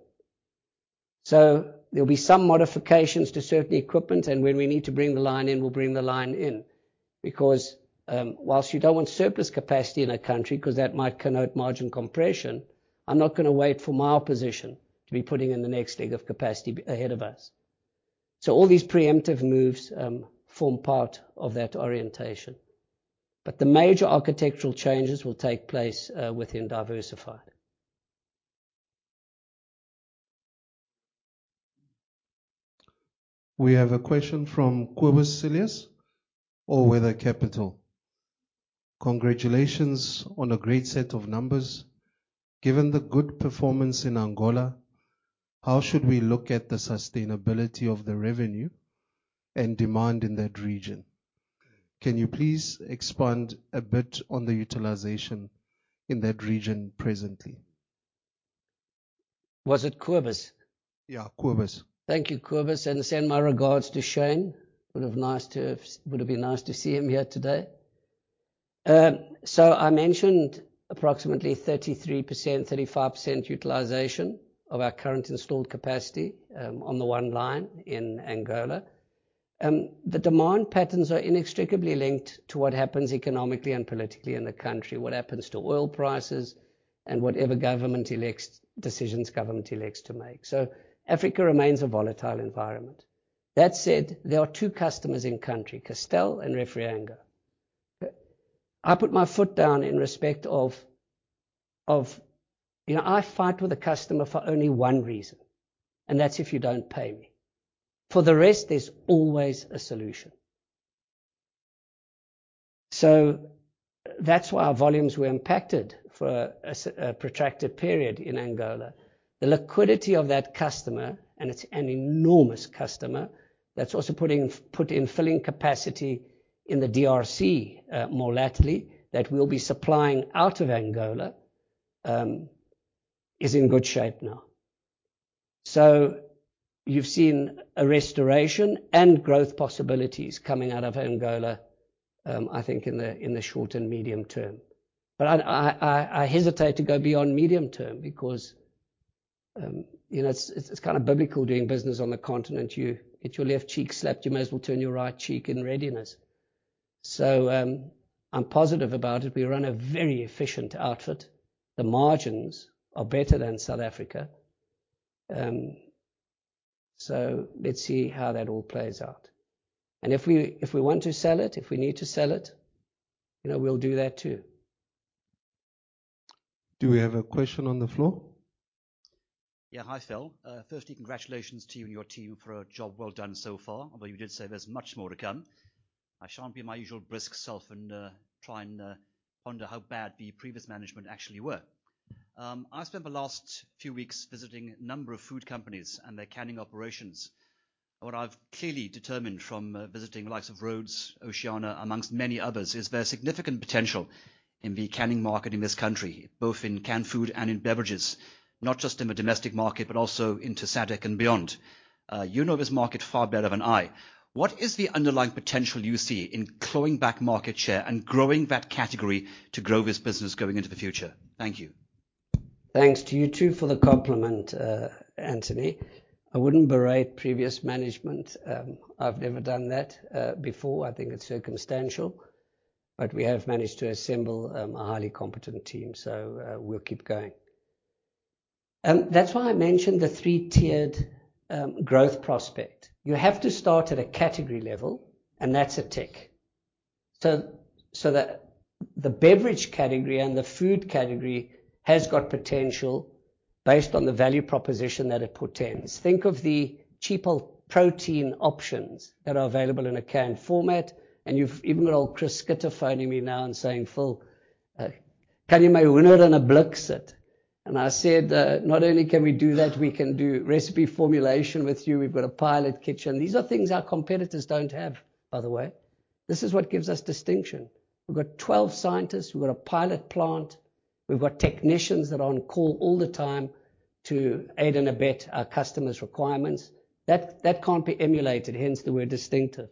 There'll be some modifications to certain equipment, and when we need to bring the line in, we'll bring the line in. Because while you don't want surplus capacity in a country, 'cause that might connote margin compression, I'm not gonna wait for my opposition to be putting in the next leg of capacity ahead of us. All these preemptive moves form part of that orientation. The major architectural changes will take place within Diversified. We have a question from Cobus Cilliers, All Weather Capital. Congratulations on a great set of numbers. Given the good performance in Angola, how should we look at the sustainability of the revenue and demand in that region? Can you please expand a bit on the utilization in that region presently? Was it Cobus? Yeah, Cobus. Thank you, Cobus, and send my regards to Shane. Would have been nice to see him here today. I mentioned approximately 33%, 35% utilization of our current installed capacity, on the one line in Angola. The demand patterns are inextricably linked to what happens economically and politically in the country, what happens to oil prices and whatever decisions government elects to make. Africa remains a volatile environment. That said, there are two customers in country, Castel and Refriango. I put my foot down in respect of. You know, I fight with a customer for only one reason, and that's if you don't pay me. For the rest, there's always a solution. That's why our volumes were impacted for a protracted period in Angola. The liquidity of that customer, and it's an enormous customer that's also putting up filling capacity in the DRC, more lately that we'll be supplying out of Angola, is in good shape now. You've seen a restoration and growth possibilities coming out of Angola, I think in the short and medium term. I hesitate to go beyond medium term because, you know, it's kind of biblical doing business on the continent. You get your left cheek slapped, you may as well turn your right cheek in readiness. I'm positive about it. We run a very efficient outfit. The margins are better than South Africa. Let's see how that all plays out. If we want to sell it, if we need to sell it, you know, we'll do that too. Do we have a question on the floor? Yeah. Hi, Phil. Firstly, congratulations to you and your team for a job well done so far, although you did say there's much more to come. I shan't be my usual brisk self and try and ponder how bad the previous management actually were. I spent the last few weeks visiting a number of food companies and their canning operations. What I've clearly determined from visiting the likes of Rhodes, Oceana, among many others, is there's significant potential in the canning market in this country, both in canned food and in beverages, not just in the domestic market, but also into SADC and beyond. You know this market far better than I. What is the underlying potential you see in clawing back market share and growing that category to grow this business going into the future? Thank you. Thanks to you too for the compliment, Anthony. I wouldn't berate previous management. I've never done that before. I think it's circumstantial. We have managed to assemble a highly competent team, we'll keep going. That's why I mentioned the three-tiered growth prospect. You have to start at a category level, and that's a tick. The beverage category and the food category has got potential based on the value proposition that it portends. Think of the cheaper protein options that are available in a canned format, and you've even got old Chris Schutte phoning me now and saying, "Phil, can you make hoender in a blikkie?" I said, "Not only can we do that, we can do recipe formulation with you. We've got a pilot kitchen. These are things our competitors don't have, by the way. This is what gives us distinction. We've got 12 scientists. We've got a pilot plant. We've got technicians that are on call all the time to aid and abet our customers' requirements. That can't be emulated, hence the word distinctive.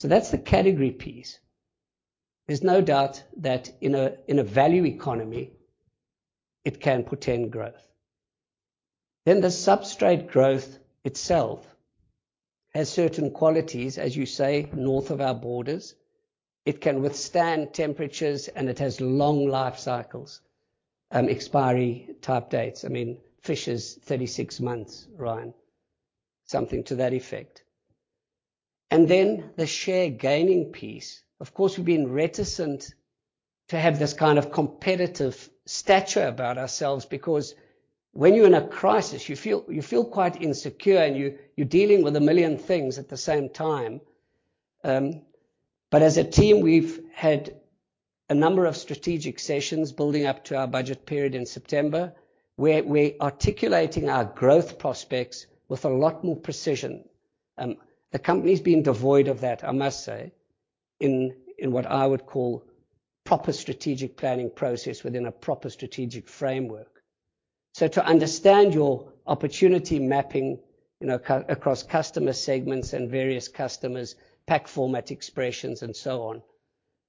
That's the category piece. There's no doubt that in a value economy, it can portend growth. The substrate growth itself has certain qualities, as you say, north of our borders. It can withstand temperatures, and it has long life cycles, expiry type dates. I mean, fish is 36 months, Ryan. Something to that effect. The share gaining piece, of course, we've been reticent to have this kind of competitive stature about ourselves because when you're in a crisis, you feel quite insecure, and you're dealing with a million things at the same time. But as a team, we've had a number of strategic sessions building up to our budget period in September, where we're articulating our growth prospects with a lot more precision. The company's been devoid of that, I must say, in what I would call proper strategic planning process within a proper strategic framework. To understand your opportunity mapping, you know, across customer segments and various customers, pack format expressions, and so on,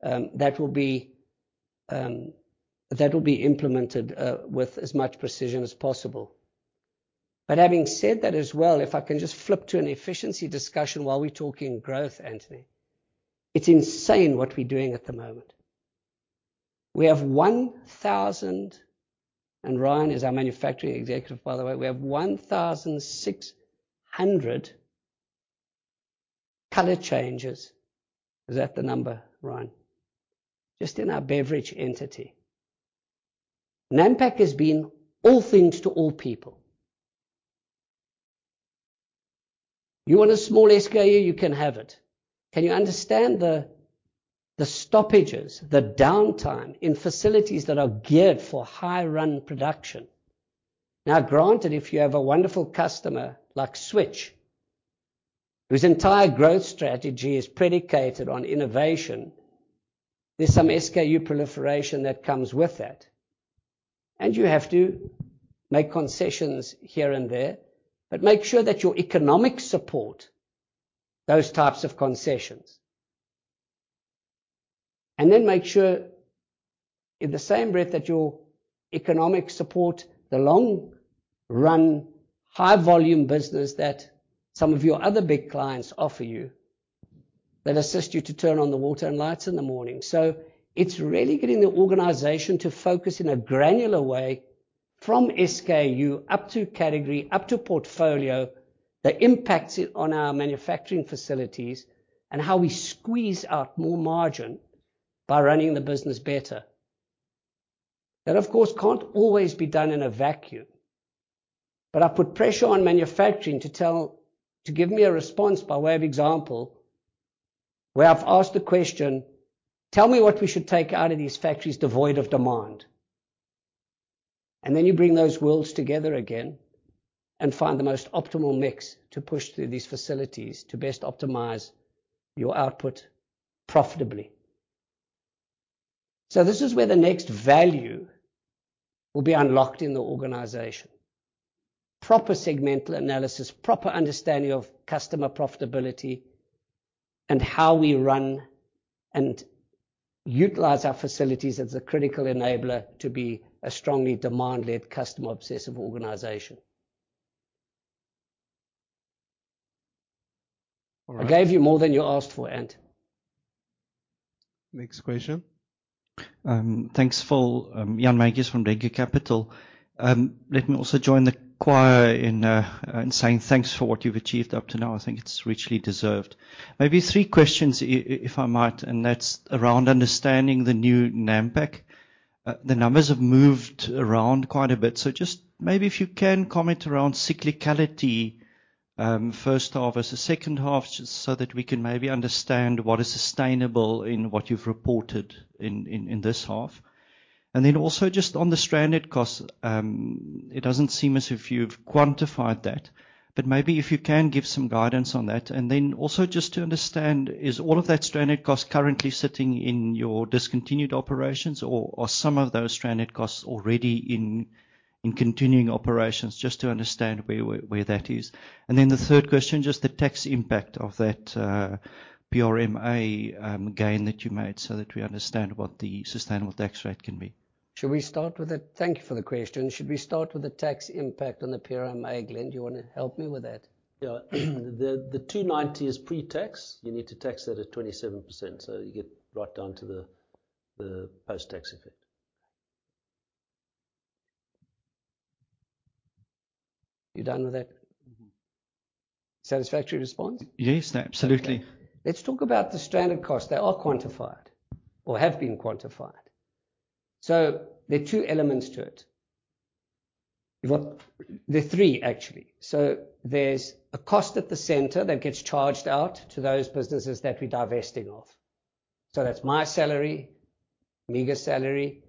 that will be implemented with as much precision as possible. Having said that as well, if I can just flip to an efficiency discussion while we're talking growth, Anthony. It's insane what we're doing at the moment. Ryan is our manufacturing executive, by the way. We have 1,600 color changes. Is that the number, Ryan? Just in our beverage entity. Nampak has been all things to all people. You want a small SKU, you can have it. Can you understand the stoppages, the downtime in facilities that are geared for high run production? Now, granted, if you have a wonderful customer like Switch, whose entire growth strategy is predicated on innovation, there's some SKU proliferation that comes with that. You have to make concessions here and there, but make sure that you economically support those types of concessions. Then make sure in the same breath that you economically support the long-run, high-volume business that some of your other big clients offer you that assist you to turn on the water and lights in the morning. It's really getting the organization to focus in a granular way from SKU up to category, up to portfolio, the impact it has on our manufacturing facilities, and how we squeeze out more margin by running the business better. That, of course, can't always be done in a vacuum. I put pressure on manufacturing to give me a response by way of example, where I've asked the question: "Tell me what we should take out of these factories devoid of demand." You bring those worlds together again and find the most optimal mix to push through these facilities to best optimize your output profitably. This is where the next value will be unlocked in the organization. Proper segmental analysis, proper understanding of customer profitability, and how we run and utilize our facilities as a critical enabler to be a strongly demand-led, customer obsessive organization. All right. I gave you more than you asked for, Ant. Next question. Thanks, Phil. Jan Magies from Regge Capital. Let me also join the choir in saying thanks for what you've achieved up to now. I think it's richly deserved. Maybe three questions if I might, and that's around understanding the new Nampak. The numbers have moved around quite a bit. Just maybe if you can comment around cyclicality, first half versus second half, just so that we can maybe understand what is sustainable in what you've reported in this half. Just on the stranded costs, it doesn't seem as if you've quantified that, but maybe if you can give some guidance on that. Also just to understand, is all of that stranded cost currently sitting in your discontinued operations or some of those stranded costs already in continuing operations, just to understand where that is? The third question, just the tax impact of that, PRMA gain that you made so that we understand what the sustainable tax rate can be. Thank you for the question. Should we start with the tax impact on the PRMA, Glenn? Do you wanna help me with that? Yeah. The 290 is pre-tax. You need to tax that at 27%, so you get right down to the post-tax effect. You done with that? Mm-hmm. Satisfactory response? Yes, absolutely. Let's talk about the stranded costs. They are quantified or have been quantified. There are two elements to it. There are three, actually. There's a cost at the center that gets charged out to those businesses that we're divesting of. That's my salary, mega salary,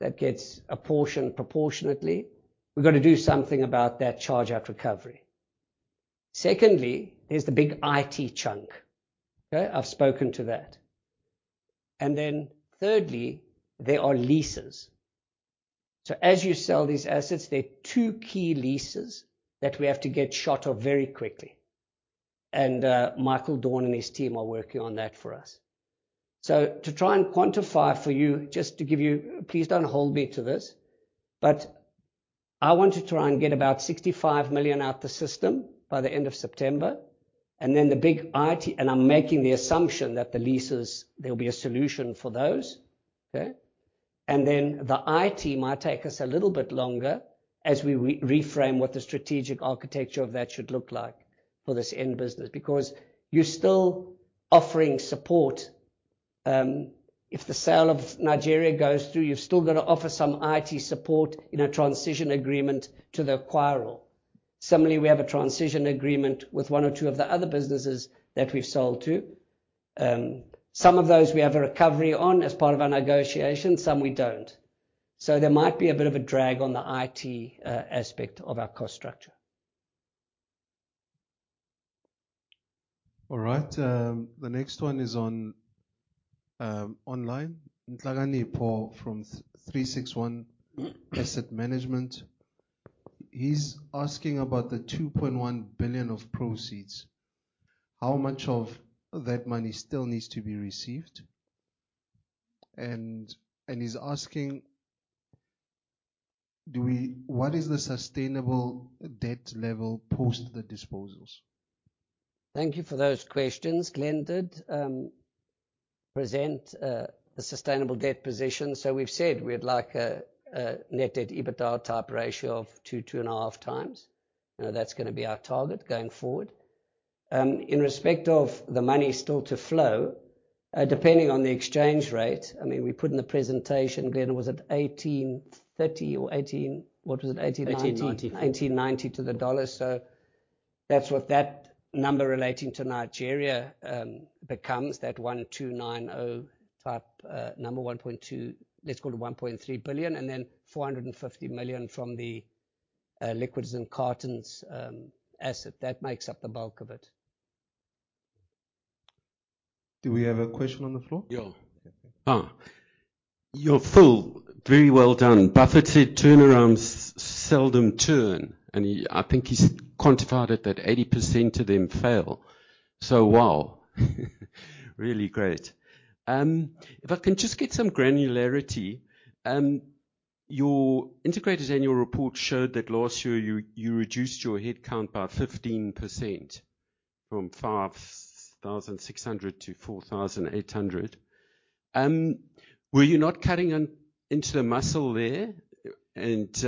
that gets apportioned proportionately. We've gotta do something about that charge-out recovery. Secondly, there's the big IT chunk. Okay? I've spoken to that. Thirdly, there are leases. As you sell these assets, there are two key leases that we have to get shot of very quickly. Michael Dorn and his team are working on that for us. To try and quantify for you, just to give you. Please don't hold me to this, but I want to try and get about 65 million out of the system by the end of September. The big IT, and I'm making the assumption that the leases, there'll be a solution for those. Okay? The IT might take us a little bit longer as we reframe what the strategic architecture of that should look like for this end business. Because you're still offering support. If the sale of Nigeria goes through, you've still gotta offer some IT support in a transition agreement to the acquirer. Similarly, we have a transition agreement with one or two of the other businesses that we've sold to. Some of those we have a recovery on as part of our negotiation, some we don't. There might be a bit of a drag on the IT aspect of our cost structure. All right. The next one is online. Ntlagane Paul from 36ONE Asset Management. He's asking about the 2.1 billion of proceeds. How much of that money still needs to be received? And he's asking, what is the sustainable debt level post the disposals? Thank you for those questions. Glenn did present the sustainable debt position. We've said we'd like a net debt EBITDA type ratio of 2x-2.5x. You know, that's gonna be our target going forward. In respect of the money still to flow, depending on the exchange rate. I mean, we put in the presentation, Glenn, was it 18.30 or 18. What was it? 18.90. 1890. 1,890 to the dollar. That's what that number relating to Nigeria becomes that 1,290-type number 1.2. Let's call it 1.3 billion and then 450 million from the liquids and cartons asset. That makes up the bulk of it. Do we have a question on the floor? Phil, very well done. Buffett said turnarounds seldom turn, and he, I think, has quantified it that 80% of them fail. Wow. Really great. If I can just get some granularity. Your integrated annual report showed that last year you reduced your headcount by 15% from 5,600 to 4,800. Were you not cutting into the muscle there? Where's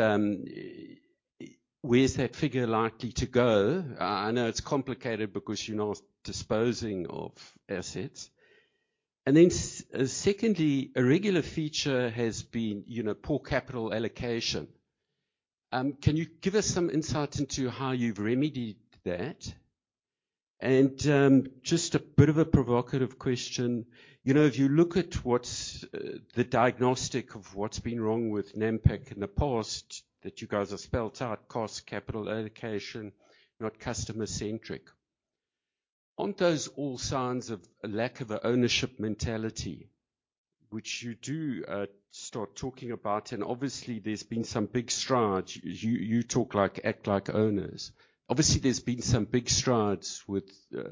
that figure likely to go? I know it's complicated because you're now disposing of assets. Secondly, a regular feature has been, you know, poor capital allocation. Can you give us some insight into how you've remedied that? Just a bit of a provocative question. You know, if you look at what's the diagnosis of what's been wrong with Nampak in the past that you guys have spelled out: costs, capital allocation, not customer-centric. Aren't those all signs of a lack of an ownership mentality which you do start talking about? Obviously, there's been some big strides, you act like owners,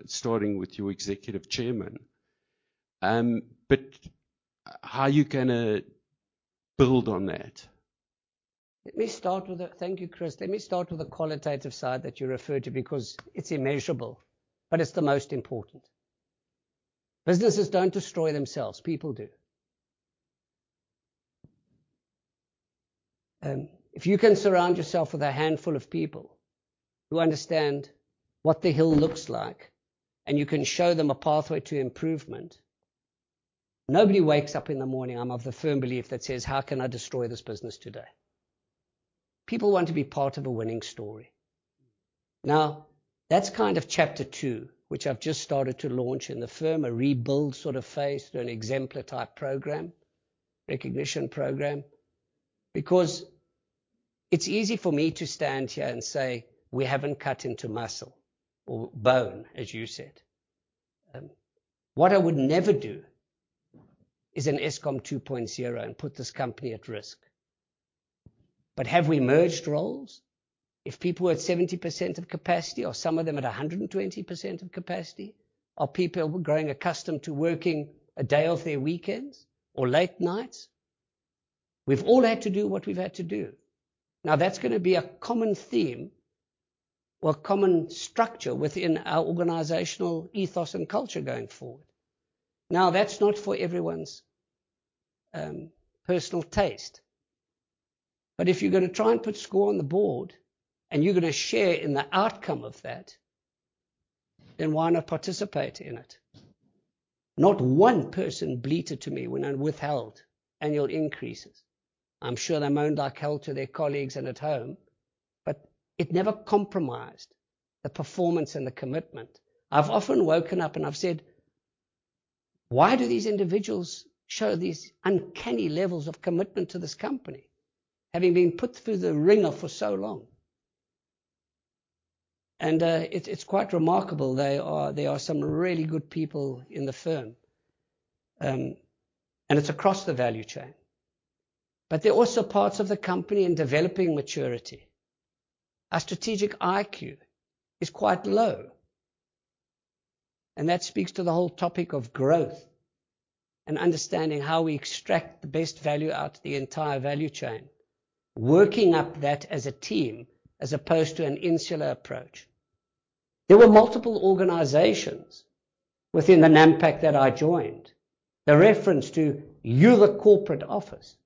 starting with your executive chairman. How are you gonna build on that? Thank you, Chris. Let me start with the qualitative side that you referred to because it's immeasurable, but it's the most important. Businesses don't destroy themselves, people do. If you can surround yourself with a handful of people who understand what the hill looks like, and you can show them a pathway to improvement. Nobody wakes up in the morning, I'm of the firm belief, that says, "How can I destroy this business today?" People want to be part of a winning story. Now, that's kind of chapter two, which I've just started to launch in the firm, a rebuild sort of phase through an exemplar-type program, recognition program. Because it's easy for me to stand here and say, we haven't cut into muscle or bone, as you said. What I would never do is an Eskom 2.0 and put this company at risk. Have we merged roles? If people were at 70% of capacity or some of them at 120% of capacity, are people growing accustomed to working a day of their weekends or late nights? We've all had to do what we've had to do. Now, that's gonna be a common theme or common structure within our organizational ethos and culture going forward. Now, that's not for everyone's personal taste. If you're gonna try and put score on the board and you're gonna share in the outcome of that, then why not participate in it? Not one person bleated to me when I withheld annual increases. I'm sure they moaned like hell to their colleagues and at home, but it never compromised the performance and the commitment. I've often woken up and I've said, "Why do these individuals show these uncanny levels of commitment to this company, having been put through the wringer for so long?" It's quite remarkable. There are some really good people in the firm, and it's across the value chain. There are also parts of the company in developing maturity. Our strategic IQ is quite low, and that speaks to the whole topic of growth and understanding how we extract the best value out of the entire value chain, working up that as a team as opposed to an insular approach. There were multiple organizations within Nampak that I joined. The reference to you, the corporate office.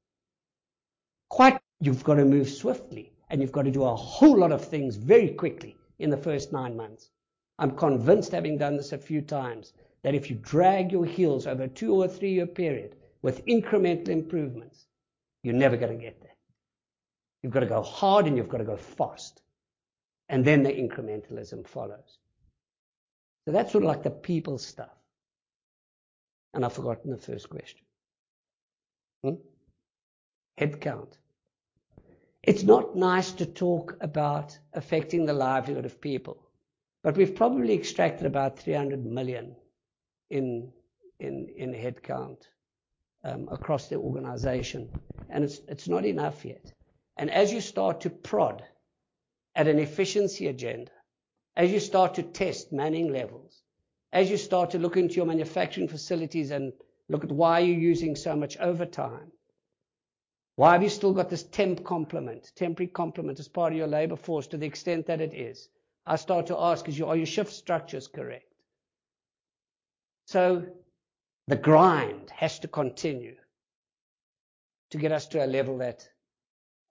You've got to move swiftly, and you've got to do a whole lot of things very quickly in the first nine months. I'm convinced, having done this a few times, that if you drag your heels over a two or a three-year period with incremental improvements, you're never gonna get there. You've got to go hard, and you've got to go fast, and then the incrementalism follows. That's sort of like the people stuff. I've forgotten the first question. Headcount. It's not nice to talk about affecting the livelihood of people, but we've probably extracted about 300 million in headcount across the organization, and it's not enough yet. As you start to prod at an efficiency agenda, as you start to test manning levels, as you start to look into your manufacturing facilities and look at why you're using so much overtime. Why have you still got this temporary complement as part of your labor force to the extent that it is? I start to ask, are your shift structures correct? The grind has to continue to get us to a level that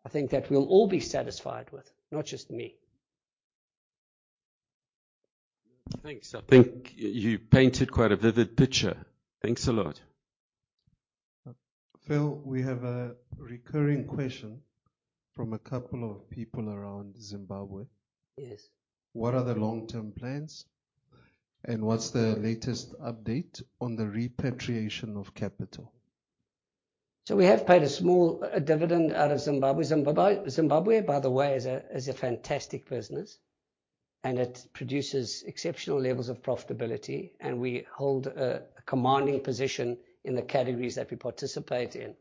I think that we'll all be satisfied with, not just me. Thanks. I think you painted quite a vivid picture. Thanks a lot. Phil, we have a recurring question from a couple of people around Zimbabwe. Yes. What are the long-term plans, and what's the latest update on the repatriation of capital? We have paid a small dividend out of Zimbabwe. Zimbabwe, by the way, is a fantastic business, and it produces exceptional levels of profitability. We hold a commanding position in the categories that we participate in.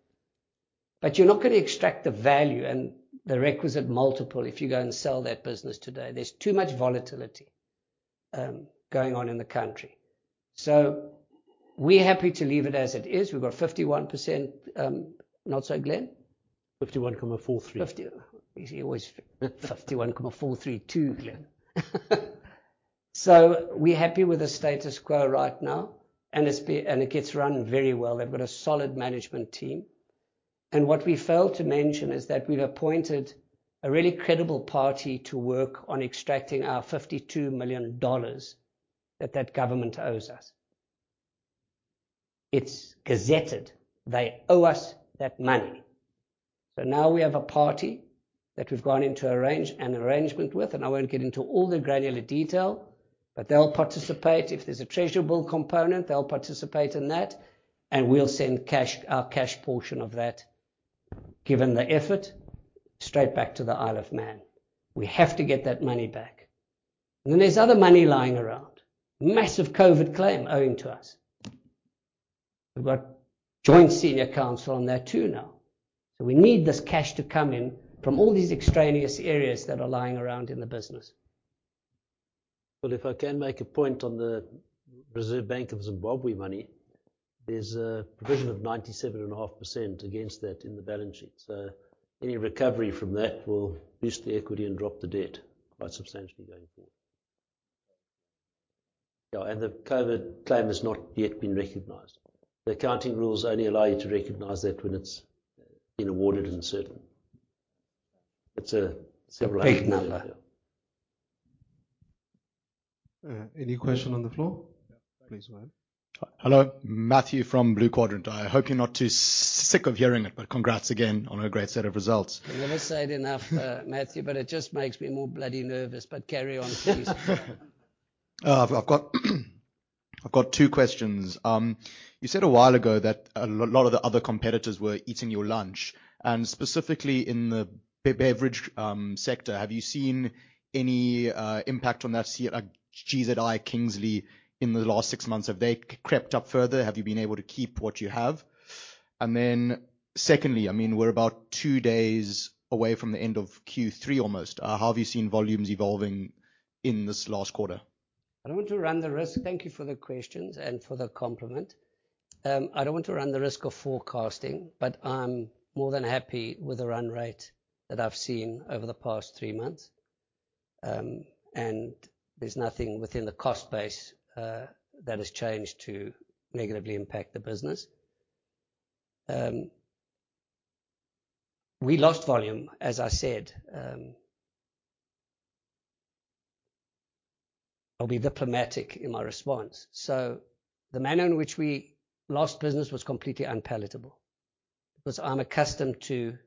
You're not gonna extract the value and the requisite multiple if you go and sell that business today. There's too much volatility going on in the country. We're happy to leave it as it is. We've got 51%. Not so, Glenn? 51,432. 51,432, Glenn. We're happy with the status quo right now, and it gets run very well. They've got a solid management team. What we failed to mention is that we've appointed a really credible party to work on extracting our $52 million that that government owes us. It's gazetted. They owe us that money. Now we have a party that we've gone into an arrangement with, and I won't get into all the granular detail, but they'll participate. If there's a treasury bill component, they'll participate in that, and we'll send cash, our cash portion of that, given the effort, straight back to the Isle of Man. We have to get that money back. Then there's other money lying around. Massive COVID claim owing to us. We've got joint senior counsel on that too now. We need this cash to come in from all these extraneous areas that are lying around in the business. Well, if I can make a point on the Reserve Bank of Zimbabwe money. There's a provision of 97.5% against that in the balance sheet. So any recovery from that will boost the equity and drop the debt quite substantially going forward. Yeah. The COVID claim has not yet been recognized. The accounting rules only allow you to recognize that when it's been awarded and certain. It's a big number. Any question on the floor? Please go ahead. Hello. Matthew from Blue Quadrant. I hope you're not too sick of hearing it, but congrats again on a great set of results. You never say it enough, Matthew, but it just makes me more bloody nervous. Carry on, please. I've got two questions. You said a while ago that a lot of the other competitors were eating your lunch. Specifically in the beverage sector, have you seen any impact on that, GZI, Kingsley in the last six months? Have they crept up further? Have you been able to keep what you have? Secondly, I mean, we're about two days away from the end of Q3 almost. How have you seen volumes evolving in this last quarter? Thank you for the questions and for the compliment. I don't want to run the risk of forecasting, but I'm more than happy with the run rate that I've seen over the past three months. There's nothing within the cost base that has changed to negatively impact the business. We lost volume, as I said. I'll be diplomatic in my response. The manner in which we lost business was completely unpalatable because I'm accustomed to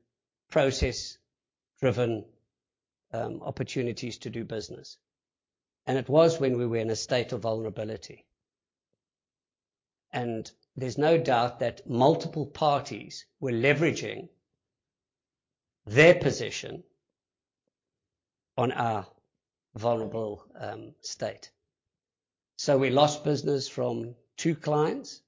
process-driven opportunities to do business, and it was when we were in a state of vulnerability. There's no doubt that multiple parties were leveraging their position on our vulnerable state. We lost business from two clients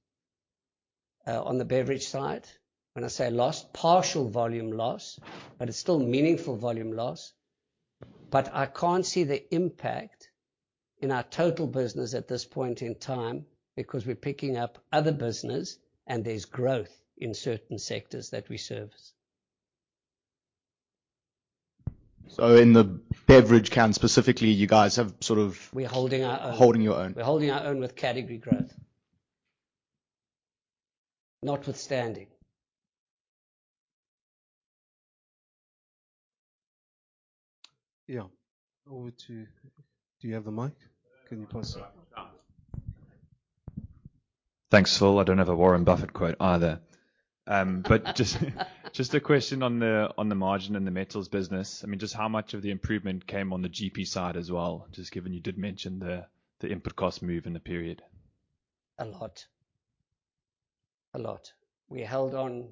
on the beverage side. When I say lost, partial volume loss, but it's still meaningful volume loss. I can't see the impact in our total business at this point in time because we're picking up other business and there's growth in certain sectors that we service. In the beverage can specifically, you guys have sort of. We're holding our own. Holding your own. We're holding our own with category growth notwithstanding. Yeah. Do you have the mic? Can you pass it? Thanks, Phil. I don't have a Warren Buffett quote either. Just a question on the margin in the metals business. I mean, just how much of the improvement came on the GP side as well? Just given you did mention the input cost move in the period. A lot. We held on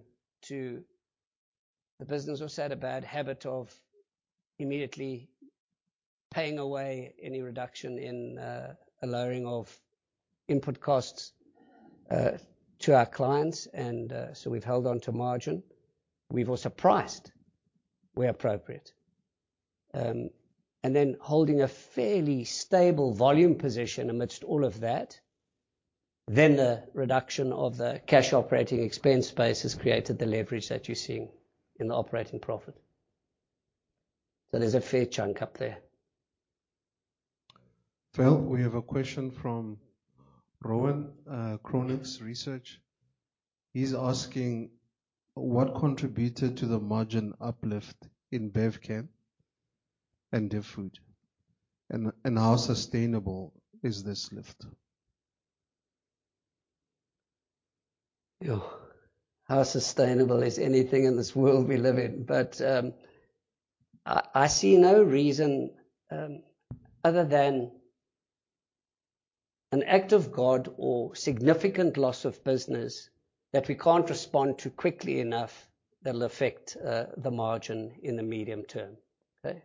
to. The business also had a bad habit of immediately paying away any reduction in a lowering of input costs to our clients and so we've held on to margin. We've also priced where appropriate, holding a fairly stable volume position amidst all of that. The reduction of the cash operating expense base has created the leverage that you're seeing in the operating profit. There's a fair chunk up there. Phil, we have a question from Rowan, Chronux Research. He’s asking what contributed to the margin uplift in Bevcan and DivFood, and how sustainable is this lift? Yeah. How sustainable is anything in this world we live in? I see no reason other than an act of God or significant loss of business that we can't respond to quickly enough that'll affect the margin in the medium term. Okay.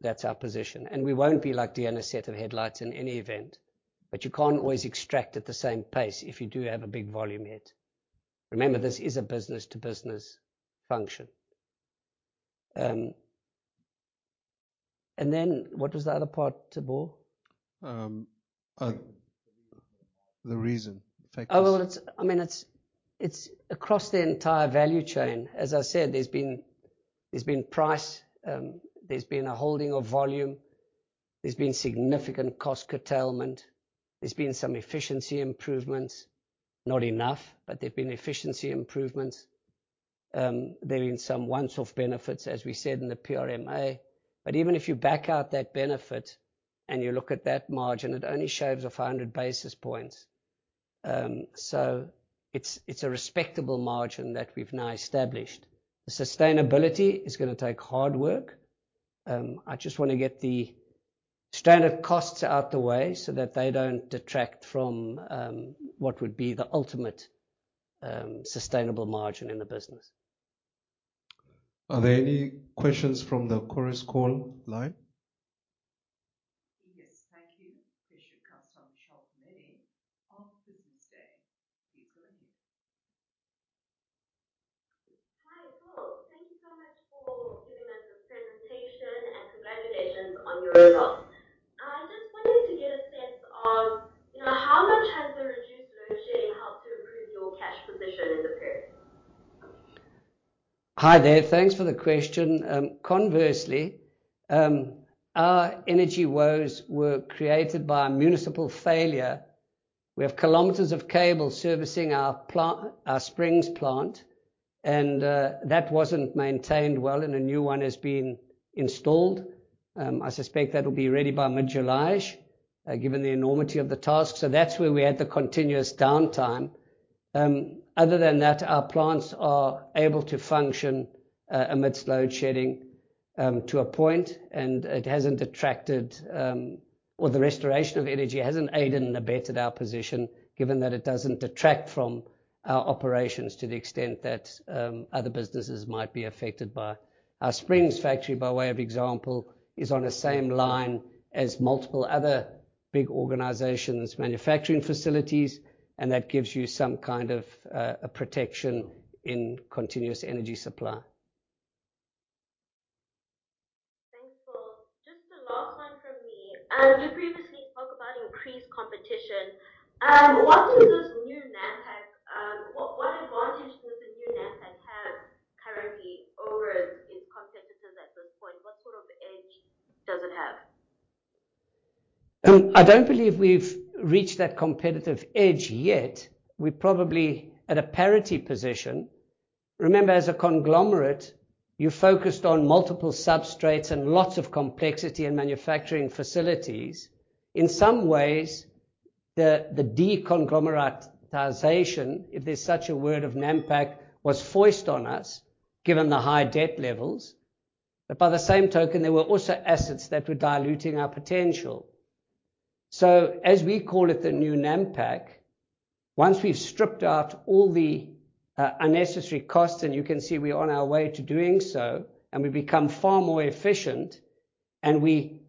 That's our position. We won't be like deer in the headlights in any event. You can't always extract at the same pace if you do have a big volume hit. Remember, this is a business to business function. What was the other part, Teboho? The reason. Factors. I mean, it's across the entire value chain. As I said, there's been price, there's been a holding of volume, there's been significant cost curtailment, there's been some efficiency improvements. Not enough, but there've been efficiency improvements. There've been some once-off benefits, as we said in the PRMA. Even if you back out that benefit and you look at that margin, it only shaves off 100 basis points. So it's a respectable margin that we've now established. The sustainability is gonna take hard work. I just wanna get the standard costs out the way so that they don't detract from what would be the ultimate sustainable margin in the business. Are there any questions from the Chorus Call line? Krisha Kasam, Shell committee, on Business Day. Hi, Phil. Thank you so much for giving us this presentation, and congratulations on your results. I just wanted to get a sense of, you know, how much has the reduced load shedding helped to improve your cash position in the period? Hi there. Thanks for the question. Conversely, our energy woes were created by a municipal failure. We have kilometers of cable servicing our Springs plant and that wasn't maintained well, and a new one is being installed. I suspect that'll be ready by mid-July-ish, given the enormity of the task. That's where we had the continuous downtime. Other than that, our plants are able to function amidst load shedding to a point, and it hasn't detracted, or the restoration of energy hasn't aided and abetted our position, given that it doesn't detract from our operations to the extent that other businesses might be affected by. Our Springs factory, by way of example, is on the same line as multiple other big organizations' manufacturing facilities, and that gives you some kind of a protection in continuous energy supply. Thanks, Phil. Just the last one from me. You previously spoke about increased competition. What advantage does the new Nampak have currently over its competitors at this point? What sort of edge does it have? I don't believe we've reached that competitive edge yet. We're probably at a parity position. Remember, as a conglomerate, you're focused on multiple substrates and lots of complexity in manufacturing facilities. In some ways, the de-conglomeratization, if there's such a word, of Nampak, was foisted on us given the high debt levels. By the same token, there were also assets that were diluting our potential. As we call it, the new Nampak, once we've stripped out all the unnecessary costs, and you can see we're on our way to doing so, and we become far more efficient, and we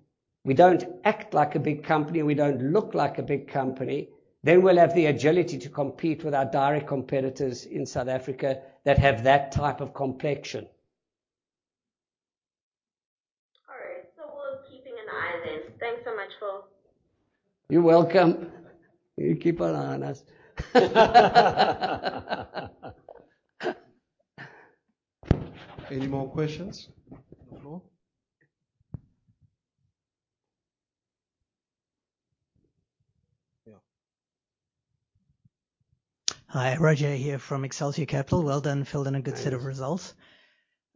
don't act like a big company, we don't look like a big company, then we'll have the agility to compete with our direct competitors in South Africa that have that type of complexion. All right. We'll be keeping an eye on this. Thanks so much, Phil. You're welcome. You keep an eye on us. Any more questions for Phil? Yeah. Hi. Raja here from Excelsior Capital. Well done. Filled in a good set of results.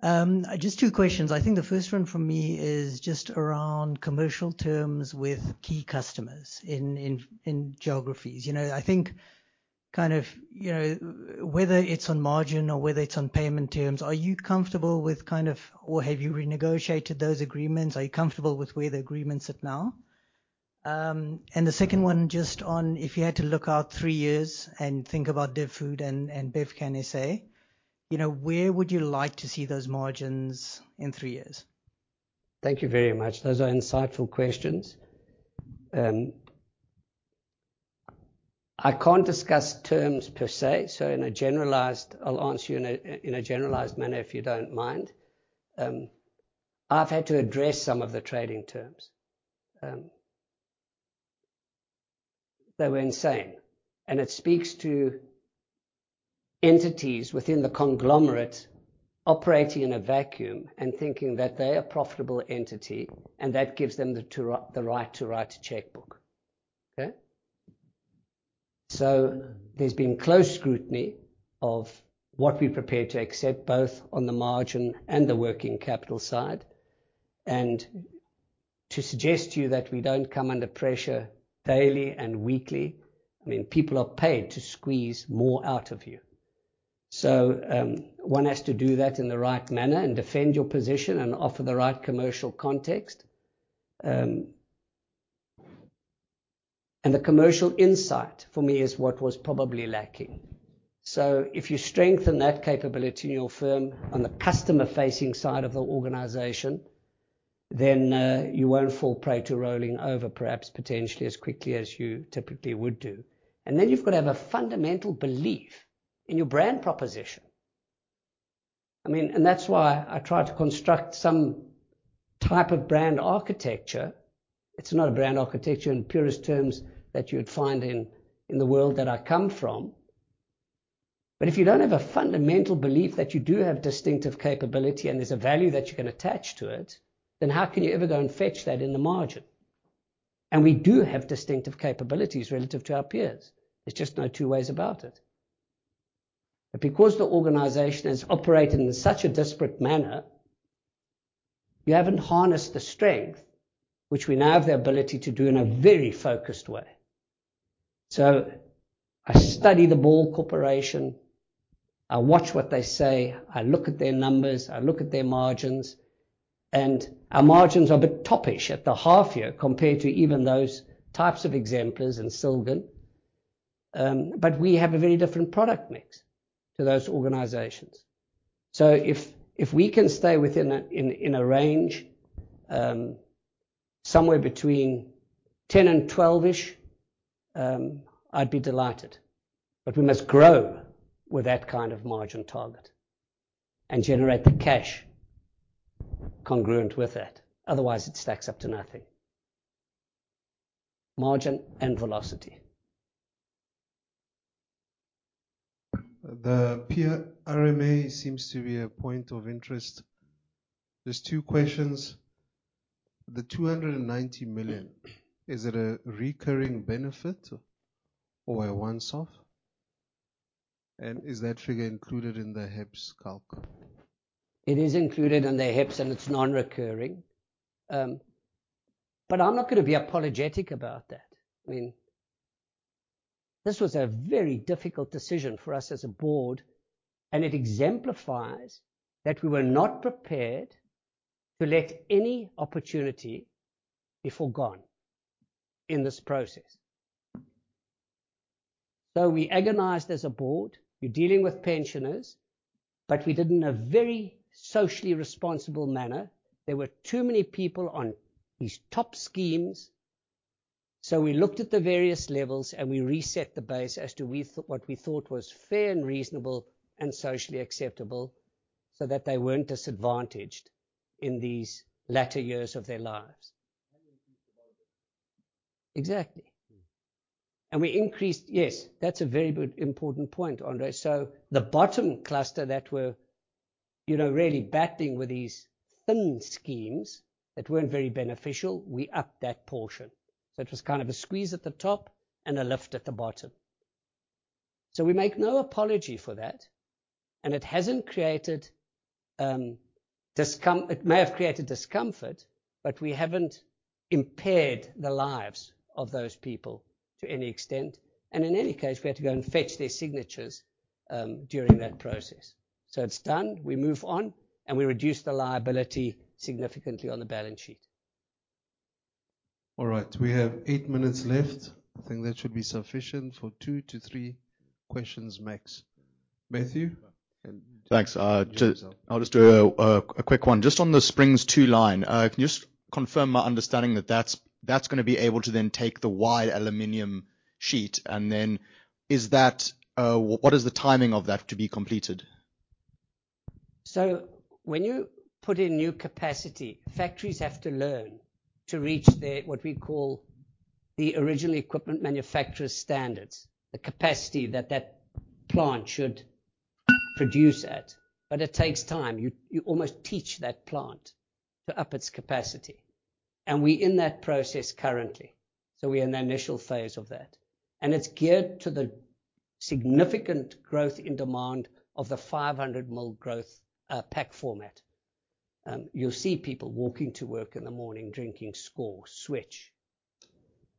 Just two questions. I think the first one from me is just around commercial terms with key customers in geographies. You know, I think kind of, you know, whether it's on margin or whether it's on payment terms, are you comfortable with kind of or have you renegotiated those agreements? Are you comfortable with where the agreements sit now? And the second one just on if you had to look out three years and think about DivFood and Nampak Bevcan, you know, where would you like to see those margins in three years? Thank you very much. Those are insightful questions. I can't discuss terms per se, so I'll answer you in a generalized manner if you don't mind. I've had to address some of the trading terms. They were insane. It speaks to entities within the conglomerate operating in a vacuum and thinking that they're a profitable entity, and that gives them the right to write a checkbook. Okay? There's been close scrutiny of what we prepare to accept, both on the margin and the working capital side. To suggest to you that we don't come under pressure daily and weekly, I mean, people are paid to squeeze more out of you. One has to do that in the right manner and defend your position and offer the right commercial context. The commercial insight for me is what was probably lacking. If you strengthen that capability in your firm on the customer-facing side of the organization, then you won't fall prey to rolling over, perhaps potentially as quickly as you typically would do. You've got to have a fundamental belief in your brand proposition. I mean, that's why I try to construct some type of brand architecture. It's not a brand architecture in purist terms that you'd find in the world that I come from. If you don't have a fundamental belief that you do have distinctive capability and there's a value that you can attach to it, then how can you ever go and fetch that in the margin? We do have distinctive capabilities relative to our peers. There's just no two ways about it. Because the organization has operated in such a disparate manner, we haven't harnessed the strength which we now have the ability to do in a very focused way. I study the Ball Corporation, I watch what they say, I look at their numbers, I look at their margins, and our margins are a bit toppish at the half year compared to even those types of exemplars and Silgan. We have a very different product mix to those organizations. If we can stay within a range somewhere between 10% and 12-ish%, I'd be delighted. We must grow with that kind of margin target and generate the cash congruent with it, otherwise it stacks up to nothing. Margin and velocity. The PRMA seems to be a point of interest. There's two questions. 290 million, is it a recurring benefit or a once off? Is that figure included in the HEPS calc? It is included in the HEPS, and it's non-recurring. I'm not gonna be apologetic about that. I mean, this was a very difficult decision for us as a board, and it exemplifies that we were not prepared to let any opportunity be forgone in this process. We agonized as a board. We're dealing with pensioners, but we did in a very socially responsible manner. There were too many people on these top schemes, so we looked at the various levels, and we reset the base as to what we thought was fair and reasonable and socially acceptable so that they weren't disadvantaged in these latter years of their lives. You increased the bottom. Exactly. Mm-hmm. We increased. Yes, that's a very good important point, Andre. The bottom cluster that were, you know, really battling with these thin schemes that weren't very beneficial, we upped that portion. It was kind of a squeeze at the top and a lift at the bottom. We make no apology for that. It hasn't created discomfort. It may have created discomfort, but we haven't impaired the lives of those people to any extent. In any case, we had to go and fetch their signatures during that process. It's done, we move on, and we reduce the liability significantly on the balance sheet. All right. We have eight minutes left. I think that should be sufficient for two to three questions max. Matthew? Thanks. I'll just do a quick one. Just on the Springs Line 2. Can you just confirm my understanding that that's gonna be able to then take the wide aluminum sheet, and then what is the timing of that to be completed? When you put in new capacity, factories have to learn to reach their, what we call, the original equipment manufacturer standards, the capacity that that plant should produce at, but it takes time. You almost teach that plant to up its capacity. We're in that process currently, so we're in the initial phase of that. It's geared to the significant growth in demand for the 500 ml pack format. You'll see people walking to work in the morning drinking Score, Switch,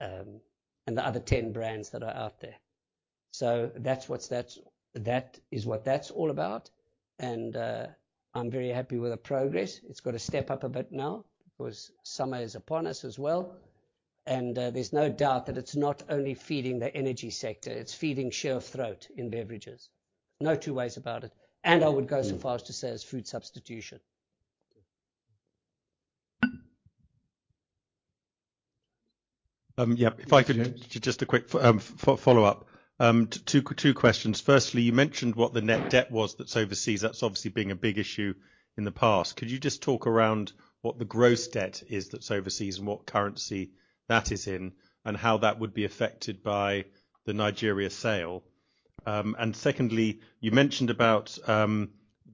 and the other 10 brands that are out there. That's what that's all about. I'm very happy with the progress. It's got to step up a bit now 'cause summer is upon us as well. There's no doubt that it's not only feeding the energy sector, it's feeding sheer thirst in beverages. No two ways about it. I would go so far as to say it's food substitution. Yeah. If I could. Sure. Just a quick follow-up. Two questions. Firstly, you mentioned what the net debt was that's overseas. That's obviously being a big issue. In the past, could you just talk around what the gross debt is that's overseas and what currency that is in, and how that would be affected by the Nigeria sale? Secondly, you mentioned about the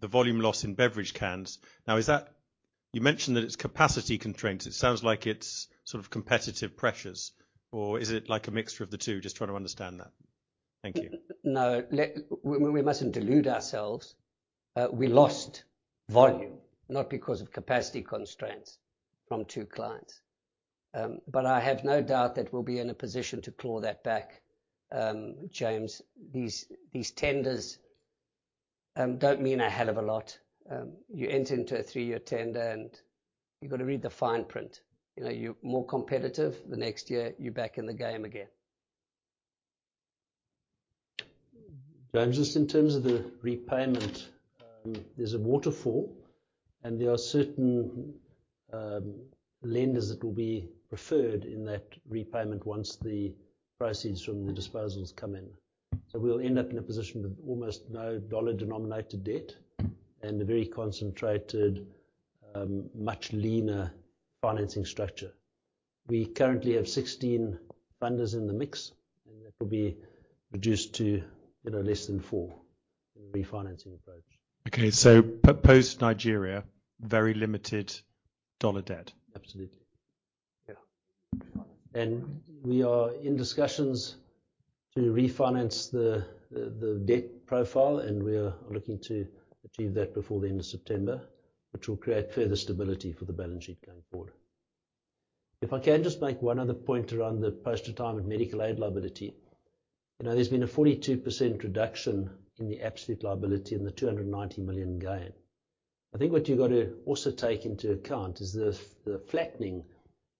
volume loss in beverage cans. You mentioned that it's capacity constraints. It sounds like it's sort of competitive pressures, or is it like a mixture of the two? Just trying to understand that. Thank you. No. We mustn't delude ourselves. We lost volume, not because of capacity constraints from two clients. I have no doubt that we'll be in a position to claw that back, James. These tenders don't mean a hell of a lot. You enter into a three-year tender, and you've got to read the fine print. You know, you're more competitive, the next year you're back in the game again. James, just in terms of the repayment, there's a waterfall, and there are certain lenders that will be preferred in that repayment once the proceeds from the disposals come in. We'll end up in a position with almost no dollar-denominated debt and a very concentrated, much leaner financing structure. We currently have 16 funders in the mix, and that will be reduced to, you know, less than four in refinancing approach. Post Nigeria, very limited dollar debt? Absolutely. Yeah. We are in discussions to refinance the debt profile, and we are looking to achieve that before the end of September, which will create further stability for the balance sheet going forward. If I can just make one other point around the post-retirement medical aid liability. You know, there's been a 42% reduction in the absolute liability and the 290 million gain. I think what you've got to also take into account is the flattening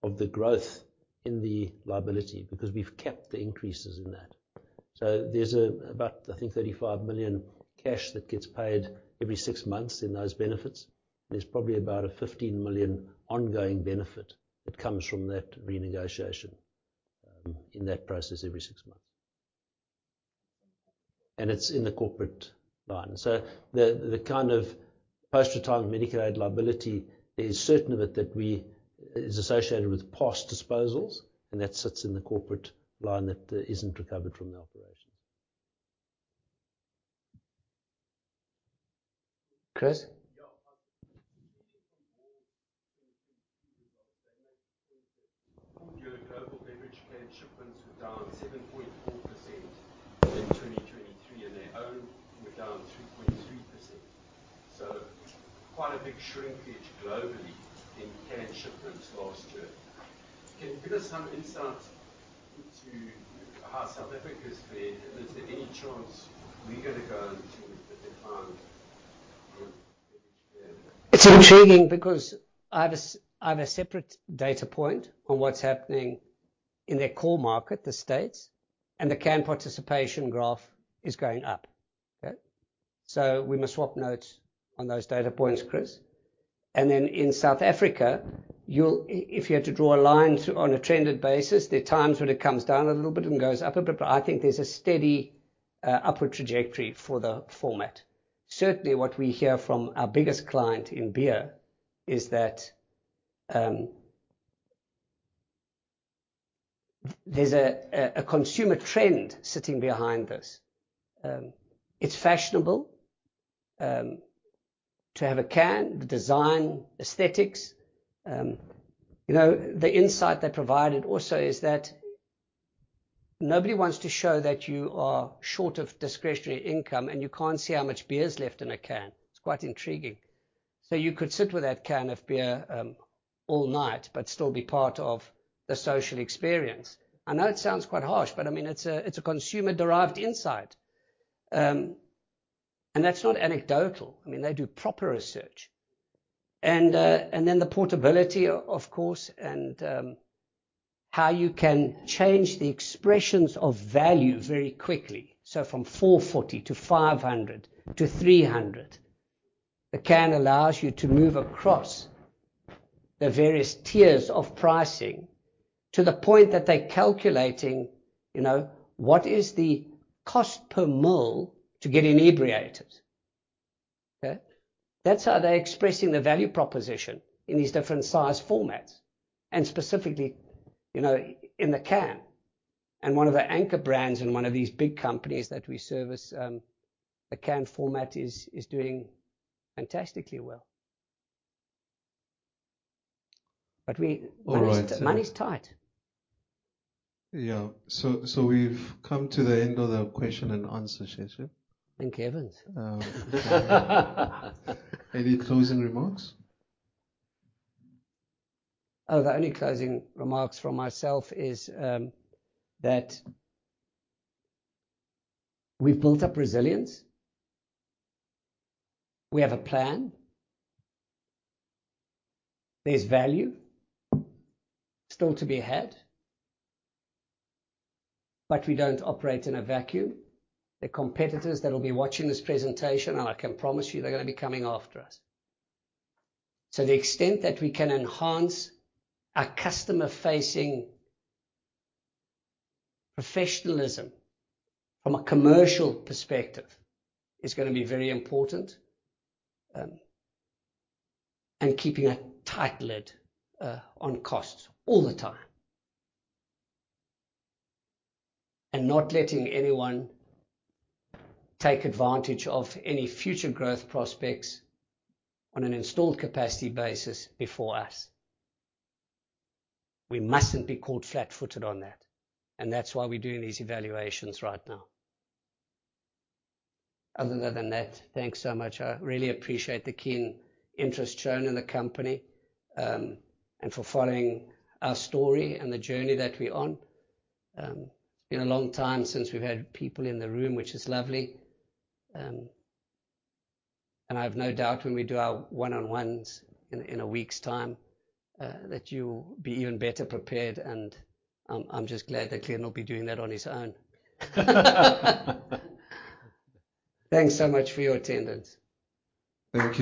of the growth in the liability, because we've capped the increases in that. There's about, I think, 35 million cash that gets paid every six months in those benefits. There's probably about a 15 million ongoing benefit that comes from that renegotiation in that process every six months. It's in the corporate line. The kind of post-retirement medical liability, there's certain of it that is associated with past disposals, and that sits in the corporate line that isn't recovered from the operations. Chris. Yeah... (inaudible) It's intriguing because I have a separate data point on what's happening in their core market, the States, and the can participation graph is going up. Okay? We must swap notes on those data points, Chris. Then in South Africa, you'll if you had to draw a line through on a trended basis, there are times when it comes down a little bit and goes up a bit, but I think there's a steady upward trajectory for the format. Certainly, what we hear from our biggest client in beer is that there's a consumer trend sitting behind this. It's fashionable to have a can, the design, aesthetics. You know, the insight they provided also is that nobody wants to show that you are short of discretionary income, and you can't see how much beer is left in a can. It's quite intriguing. You could sit with that can of beer all night but still be part of the social experience. I know it sounds quite harsh, but I mean, it's a consumer-derived insight. That's not anecdotal. I mean, they do proper research. Then the portability of course, and how you can change the expressions of value very quickly. From 440 to 500 to 300. The can allows you to move across the various tiers of pricing to the point that they're calculating, you know, what is the cost per ml to get inebriated. Okay. That's how they're expressing the value proposition in these different size formats, and specifically, you know, in the can. One of the anchor brands in one of these big companies that we service, the can format is doing fantastically well. All right. Money's tight. Yeah. We've come to the end of the question-and-answer session. Thank heavens. Any closing remarks? The only closing remarks from myself is that we've built up resilience. We have a plan. There's value still to be had. We don't operate in a vacuum. There are competitors that will be watching this presentation, and I can promise you they're gonna be coming after us. The extent that we can enhance our customer-facing professionalism from a commercial perspective is gonna be very important, and keeping a tight lid on costs all the time. Not letting anyone take advantage of any future growth prospects on an installed capacity basis before us. We mustn't be caught flat-footed on that, and that's why we're doing these evaluations right now. Other than that, thanks so much. I really appreciate the keen interest shown in the company, and for following our story and the journey that we're on. It's been a long time since we've had people in the room, which is lovely. I have no doubt when we do our one-on-ones in a week's time that you'll be even better prepared, and I'm just glad that Clinton won't be doing that on his own. Thanks so much for your attendance. Thank you.